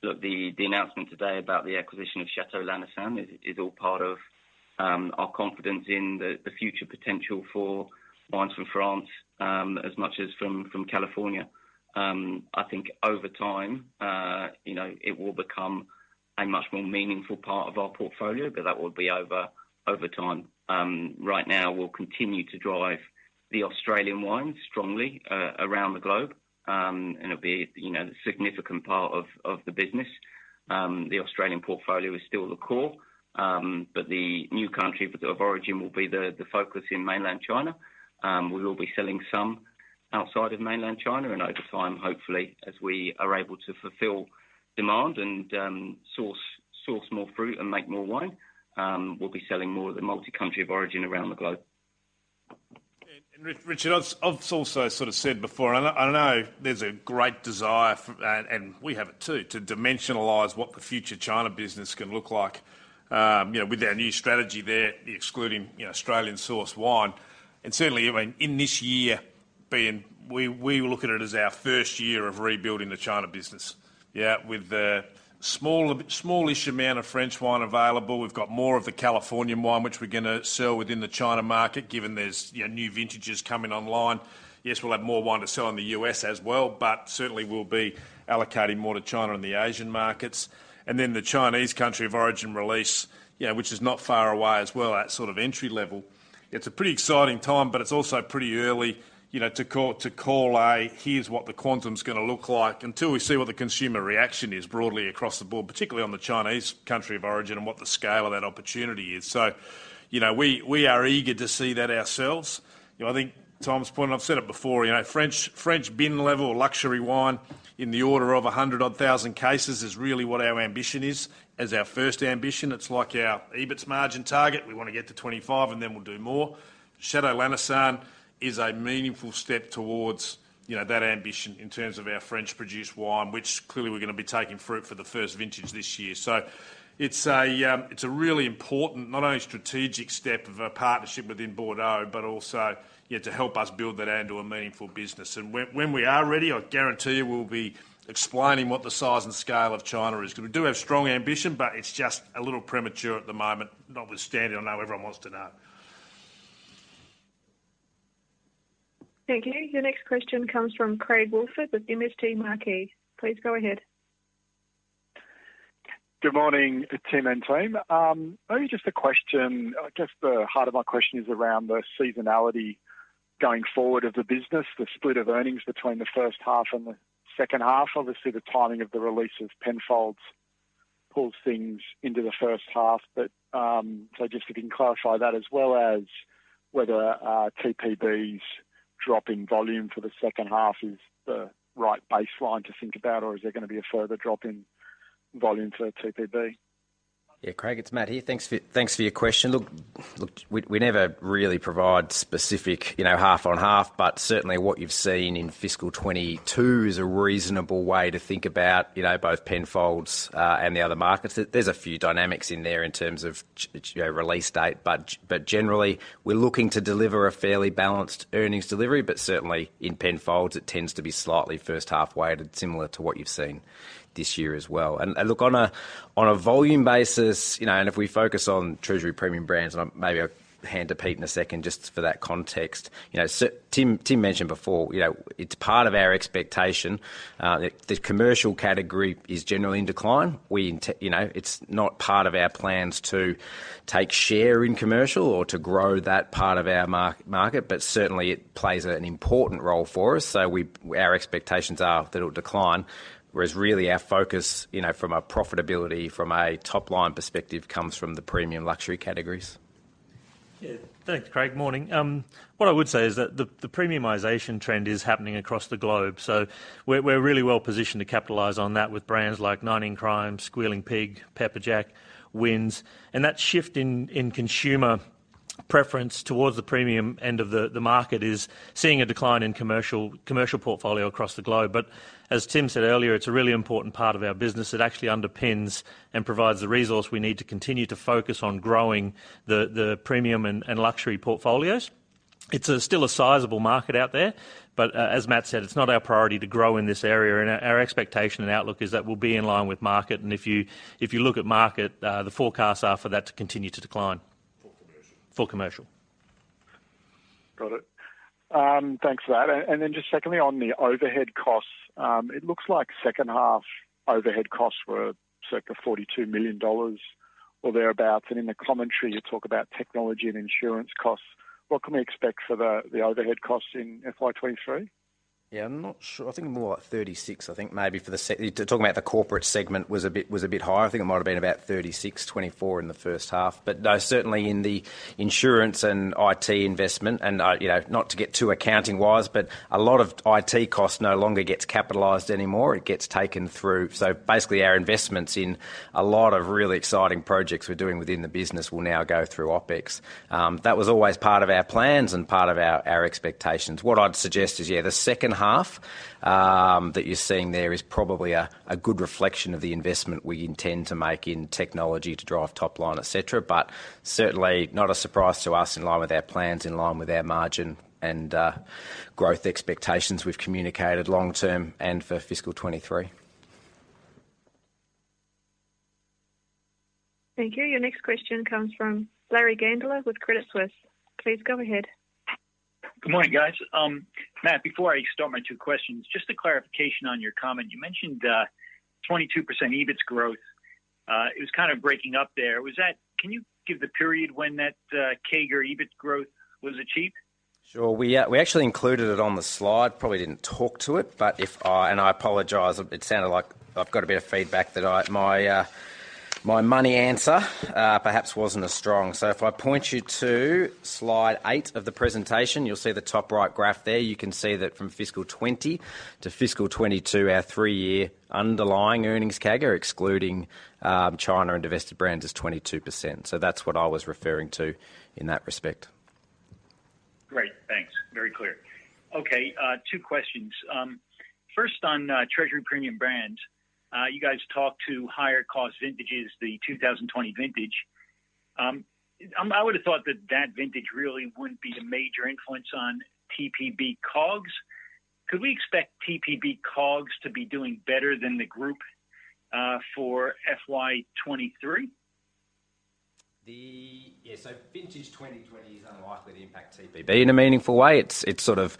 Look, the announcement today about the acquisition of Château Lanessan is all part of our confidence in the future potential for wines from France, as much as from California. I think over time, you know, it will become a much more meaningful part of our portfolio, but that will be over time. Right now we'll continue to drive the Australian wines strongly around the globe. It'll be, you know, a significant part of the business. The Australian portfolio is still the core, but the new country of origin will be the focus in mainland China. We will be selling some outside of mainland China, and over time, hopefully, as we are able to fulfill demand and source more fruit and make more wine, we'll be selling more of the multi-country of origin around the globe. Richard, I've also sort of said before, and I know there's a great desire for, and we have it too, to dimensionalize what the future China business can look like. You know, with our new strategy there, excluding, you know, Australian sourced wine. Certainly, I mean, in this year we look at it as our first year of rebuilding the China business. Yeah, with a small-ish amount of French wine available. We've got more of the Californian wine which we're gonna sell within the China market, given there's, you know, new vintages coming online. Yes, we'll have more wine to sell in the U.S. as well, but certainly we'll be allocating more to China and the Asian markets. The Chinese country of origin release, you know, which is not far away as well, at sort of entry level. It's a pretty exciting time, but it's also pretty early, you know, to call a, "Here's what the quantum's gonna look like," until we see what the consumer reaction is broadly across the board, particularly on the Chinese country of origin and what the scale of that opportunity is. You know, we are eager to see that ourselves. You know, I think Tom's point, and I've said it before, you know, French bin level or luxury wine in the order of 100-odd thousand cases is really what our ambition is. As our first ambition. It's like our EBITS margin target. We wanna get to 25%, and then we'll do more. Château Lanessan is a meaningful step towards, you know, that ambition in terms of our French-produced wine, which clearly we're gonna be taking fruit for the first vintage this year. It's a really important, not only strategic step of a partnership within Bordeaux, but also, yeah, to help us build that into a meaningful business. When we are ready, I guarantee you we'll be explaining what the size and scale of China is. 'Cause we do have strong ambition, but it's just a little premature at the moment, notwithstanding I know everyone wants to know. Thank you. Your next question comes from Craig Woolford with MST Marquee. Please go ahead. Good morning, Tim and team. Only just a question. I guess the heart of my question is around the seasonality going forward of the business, the split of earnings between the first half and the second half. Obviously, the timing of the release of Penfolds pulls things into the first half. Just if you can clarify that as well as whether TPB's drop in volume for the second half is the right baseline to think about, or is there gonna be a further drop in volume for TPB? Yeah, Craig, it's Matt here. Thanks for your question. Look, we never really provide specific, you know, half on half, but certainly what you've seen in fiscal 2022 is a reasonable way to think about, you know, both Penfolds and the other markets. There's a few dynamics in there in terms of you know, release date, but generally, we're looking to deliver a fairly balanced earnings delivery, but certainly in Penfolds, it tends to be slightly first half weighted, similar to what you've seen this year as well. Look, on a volume basis, you know, and if we focus on Treasury Premium Brands, and maybe I'll hand to Pete in a second just for that context. You know, Tim mentioned before, you know, it's part of our expectation, the commercial category is generally in decline. You know, it's not part of our plans to take share in commercial or to grow that part of our market, but certainly it plays an important role for us. Our expectations are that it'll decline, whereas really our focus, you know, from a profitability, from a top-line perspective comes from the premium luxury categories. Yeah. Thanks, Craig. Morning. What I would say is that the premiumization trend is happening across the globe. We're really well positioned to capitalize on that with brands like 19 Crimes, Squealing Pig, Pepperjack, Wynns. That shift in consumer preference towards the premium end of the market is seeing a decline in commercial portfolio across the globe. As Tim said earlier, it's a really important part of our business. It actually underpins and provides the resource we need to continue to focus on growing the premium and luxury portfolios. It's still a sizable market out there, but as Matt said, it's not our priority to grow in this area. Our expectation and outlook is that we'll be in line with market. If you look at market, the forecasts are for that to continue to decline. For commercial. For commercial. Got it. Thanks for that. Just secondly, on the overhead costs, it looks like second half overhead costs were circa 42 million dollars or thereabouts. In the commentary, you talk about technology and insurance costs. What can we expect for the overhead costs in FY23? Yeah. I'm not sure. I think more like 36, you're talking about the corporate segment was a bit higher. I think it might have been about 36, 24 in the first half. No, certainly in the insurance and IT investment and, you know, not to get too accounting-wise, but a lot of IT costs no longer gets capitalized anymore, it gets taken through. Basically our investments in a lot of really exciting projects we're doing within the business will now go through OpEx. That was always part of our plans and part of our expectations. What I'd suggest is, yeah, the second half, that you're seeing there is probably a good reflection of the investment we intend to make in technology to drive top line, et cetera. Certainly not a surprise to us, in line with our plans, in line with our margin and growth expectations we've communicated long term and for fiscal 2023. Thank you. Your next question comes from Larry Gandler with Credit Suisse. Please go ahead. Good morning, guys. Matt, before I start my two questions, just a clarification on your comment. You mentioned 22% EBITS growth. It was kind of breaking up there. Can you give the period when that CAGR EBIT growth was achieved? Sure. We actually included it on the slide. Probably didn't talk to it, but I apologize, it sounded like I've got a bit of feedback that my money answer perhaps wasn't as strong. If I point you to Slide 8 of the presentation, you'll see the top right graph there. You can see that from fiscal 20 to fiscal 22, our three-year underlying earnings CAGR, excluding China and divested brands, is 22%. That's what I was referring to in that respect. Great. Thanks. Very clear. Okay, two questions. First on, Treasury Premium Brands. You guys talked about higher cost vintages, the 2020 vintage. I would have thought that that vintage really wouldn't be the major influence on TPB COGS. Could we expect TPB COGS to be doing better than the group, for FY23? Vintage 2020 is unlikely to impact TPB in a meaningful way. It's sort of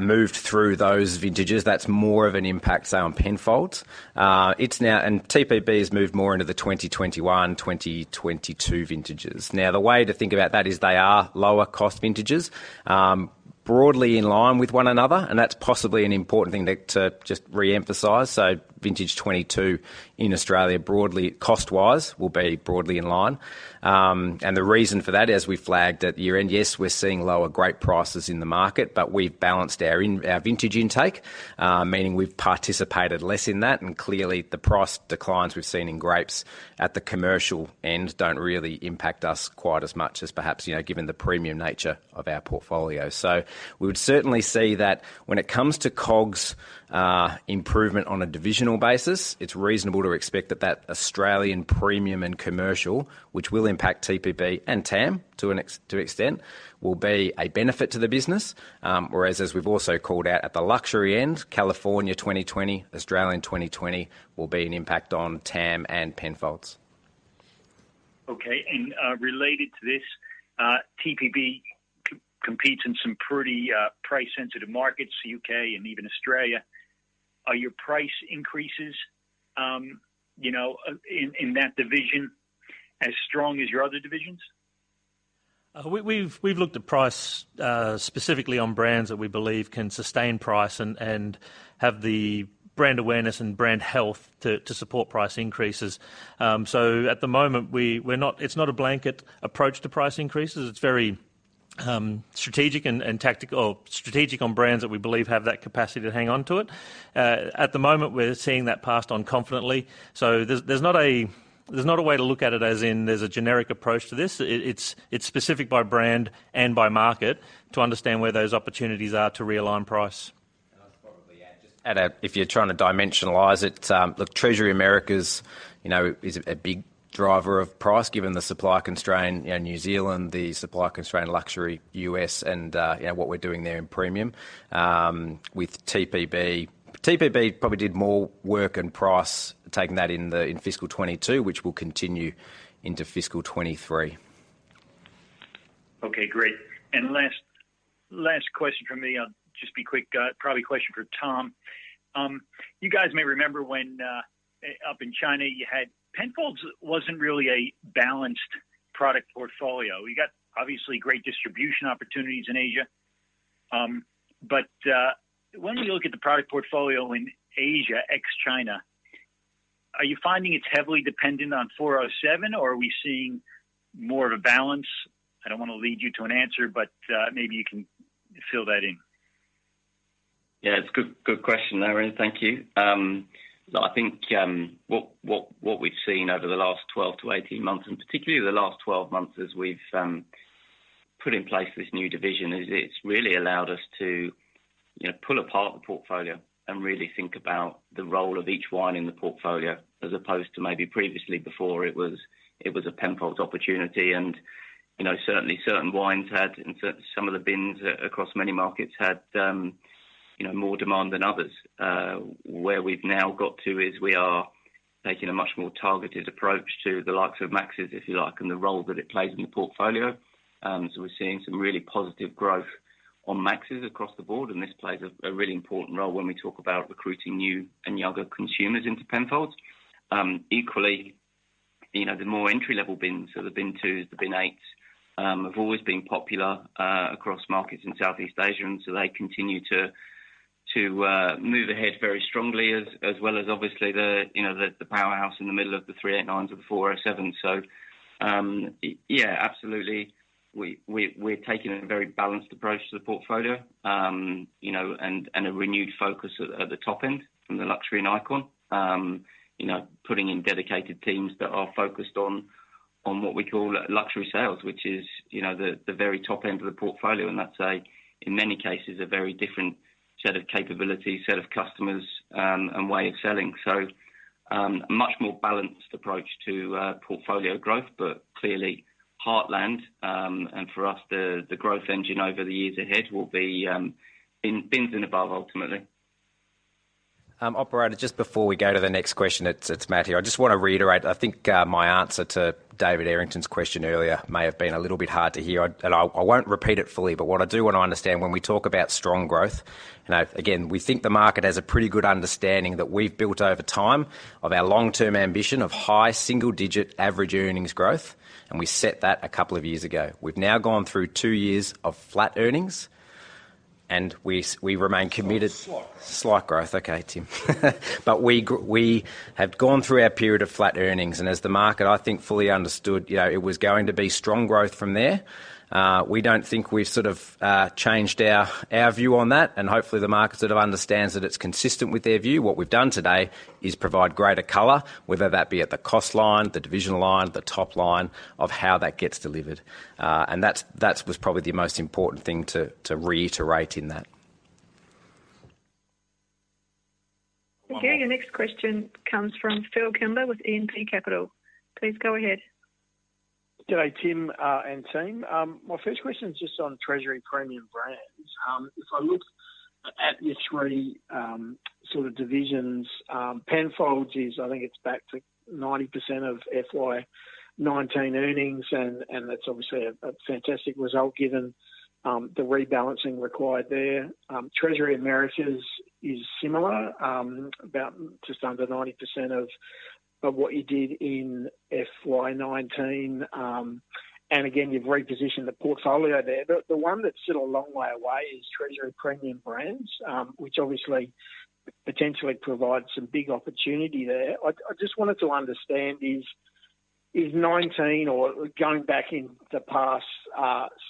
moved through those vintages. That's more of an impact, say, on Penfolds. It's now TPB has moved more into the 2021, 2022 vintages. The way to think about that is they are lower cost vintages, broadly in line with one another, and that's possibly an important thing to just re-emphasize. Vintage 2022 in Australia, broadly cost-wise, will be broadly in line. The reason for that, as we flagged at year-end, yes, we're seeing lower grape prices in the market, but we've balanced our vintage intake, meaning we've participated less in that. Clearly the price declines we've seen in grapes at the commercial end don't really impact us quite as much as perhaps, you know, given the premium nature of our portfolio. We would certainly see that when it comes to COGS, improvement on a divisional basis, it's reasonable to expect that Australian premium and commercial, which will impact TPB and TAM to an extent, will be a benefit to the business. Whereas we've also called out at the luxury end, California 2020, Australian 2020 will be an impact on TAM and Penfolds. Related to this, TPB competes in some pretty price sensitive markets, UK and even Australia. Are your price increases, you know, in that division as strong as your other divisions? We've looked at price specifically on brands that we believe can sustain price and have the brand awareness and brand health to support price increases. At the moment it's not a blanket approach to price increases. It's very strategic on brands that we believe have that capacity to hang on to it. At the moment, we're seeing that passed on confidently. There's not a way to look at it as in there's a generic approach to this. It's specific by brand and by market to understand where those opportunities are to realign price. If you're trying to dimensionalize it, look, Treasury Americas, you know, is a big driver of price given the supply constraint. You know, New Zealand, the supply constraint, luxury, US and, you know, what we're doing there in premium. With TPB probably did more work and price taking than in fiscal 2022, which will continue into fiscal 2023. Okay, great. Last question from me. I'll just be quick. Probably a question for Tom. You guys may remember when up in China you had Penfolds wasn't really a balanced product portfolio. You got obviously great distribution opportunities in Asia. When we look at the product portfolio in Asia, ex-China, are you finding it's heavily dependent on Bin 407 or are we seeing more of a balance? I don't wanna lead you to an answer, but maybe you can fill that in. Yeah. It's a good question, Larry. Thank you. Look, I think what we've seen over the last 12 to 18 months, and particularly the last 12 months as we've put in place this new division, is it's really allowed us to, you know, pull apart the portfolio and really think about the role of each wine in the portfolio as opposed to maybe previously before it was a Penfolds opportunity. You know, certainly certain wines had, and some of the bins across many markets had, you know, more demand than others. Where we've now got to is we are taking a much more targeted approach to the likes of Max's, if you like, and the role that it plays in the portfolio. We're seeing some really positive growth on Max's across the board, and this plays a really important role when we talk about recruiting new and younger consumers into Penfolds. Equally, you know, the more entry-level bins, so the Bin 2s, the Bin 8s, have always been popular across markets in Southeast Asia, and so they continue to move ahead very strongly as well as obviously you know, the powerhouse in the middle of the 389s or the 407s. Yeah, absolutely, we're taking a very balanced approach to the portfolio, you know, and a renewed focus at the top end from the Luxury and Icon. You know, putting in dedicated teams that are focused on what we call luxury sales, which is, you know, the very top end of the portfolio, and that's, in many cases, a very different set of capabilities, set of customers, and way of selling. Much more balanced approach to portfolio growth, but clearly heartland, and for us, the growth engine over the years ahead will be in bins and above ultimately. Operator, just before we go to the next question, it's Matt here. I just want to reiterate, I think my answer to David Errington's question earlier may have been a little bit hard to hear. I won't repeat it fully, but what I do want to understand when we talk about strong growth, you know, again, we think the market has a pretty good understanding that we've built over time of our long-term ambition of high single-digit average earnings growth, and we set that a couple of years ago. We've now gone through two years of flat earnings, and we remain committed. Slight growth. Slight growth. Okay, Tim. We have gone through our period of flat earnings, and as the market, I think, fully understood, you know, it was going to be strong growth from there. We don't think we've sort of changed our view on that, and hopefully, the market sort of understands that it's consistent with their view. What we've done today is provide greater color, whether that be at the cost line, the division line, the top line of how that gets delivered. That was probably the most important thing to reiterate in that. Okay. Your next question comes from Phil Kimber with E&P Capital. Please go ahead. Good day, Tim, and team. My first question is just on Treasury Premium Brands. If I look at your three sort of divisions, Penfolds is I think it's back to 90% of FY19 earnings and that's obviously a fantastic result given the rebalancing required there. Treasury Americas is similar, about just under 90% of what you did in FY19. And again, you've repositioned the portfolio there. The one that's still a long way away is Treasury Premium Brands, which obviously potentially provides some big opportunity there. I just wanted to understand is 2019 or going back in the past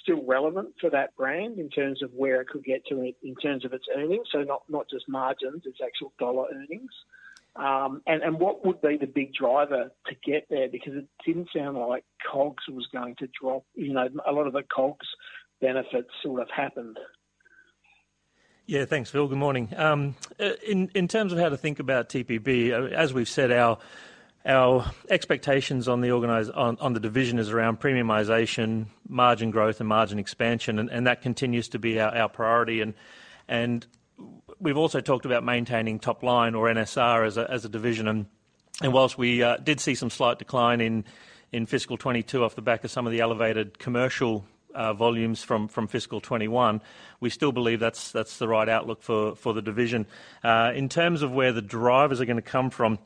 still relevant for that brand in terms of where it could get to in terms of its earnings? So not just margins, it's actual dollar earnings. What would be the big driver to get there? Because it didn't sound like COGS was going to drop. You know, a lot of the COGS benefits sort of happened. Yeah. Thanks, Phil. Good morning. In terms of how to think about TPB, as we've said, our expectations on the division is around premiumization, margin growth, and margin expansion. That continues to be our priority. We've also talked about maintaining top line or NSR as a division. While we did see some slight decline in fiscal 2022 off the back of some of the elevated commercial volumes from fiscal 2021, we still believe that's the right outlook for the division. In terms of where the drivers are gonna come from,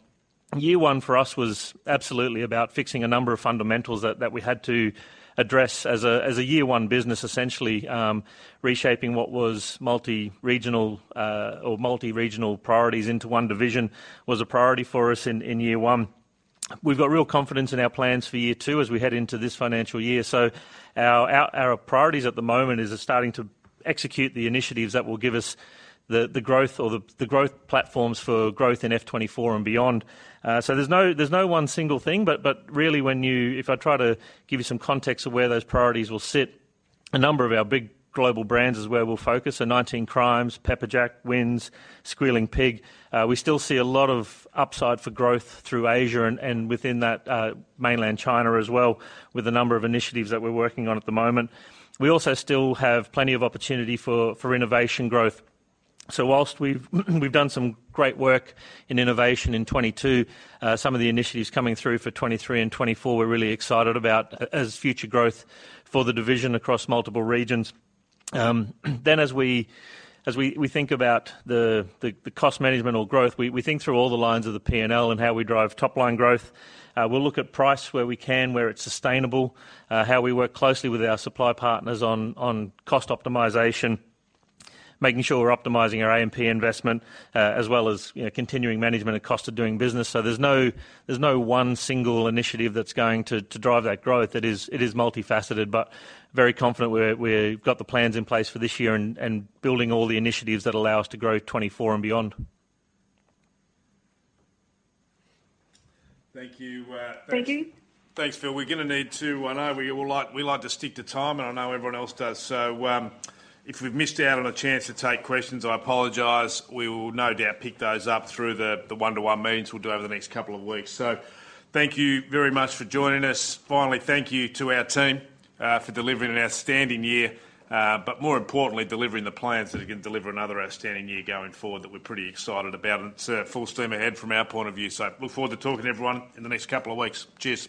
year one for us was absolutely about fixing a number of fundamentals that we had to address as a year one business, essentially, reshaping what was multi-regional or multi-regional priorities into one division was a priority for us in year one. We've got real confidence in our plans for year two as we head into this financial year. Our priorities at the moment is just starting to execute the initiatives that will give us the growth platforms for growth in FY24 and beyond. There's no one single thing, but really if I try to give you some context of where those priorities will sit, a number of our big global brands is where we'll focus. 19 Crimes, Pepperjack, Wynns, Squealing Pig. We still see a lot of upside for growth through Asia and within that, mainland China as well, with a number of initiatives that we're working on at the moment. We also still have plenty of opportunity for innovation growth. While we've done some great work in innovation in 2022, some of the initiatives coming through for 2023 and 2024, we're really excited about as future growth for the division across multiple regions. As we think about the cost management or growth, we think through all the lines of the P&L and how we drive top-line growth. We'll look at price where we can, where it's sustainable, how we work closely with our supply partners on cost optimization, making sure we're optimizing our AMP investment, as well as, you know, continuing management and cost of doing business. There's no one single initiative that's going to drive that growth. It is multifaceted, but very confident we've got the plans in place for this year and building all the initiatives that allow us to grow 2024 and beyond. Thank you. Thank you. Thanks, Phil. I know we all like to stick to time, and I know everyone else does. If we've missed out on a chance to take questions, I apologize. We will no doubt pick those up through the one-to-one meetings we'll do over the next couple of weeks. Thank you very much for joining us. Finally, thank you to our team for delivering an outstanding year, but more importantly, delivering the plans that are gonna deliver another outstanding year going forward that we're pretty excited about. It's full steam ahead from our point of view. Look forward to talking to everyone in the next couple of weeks. Cheers.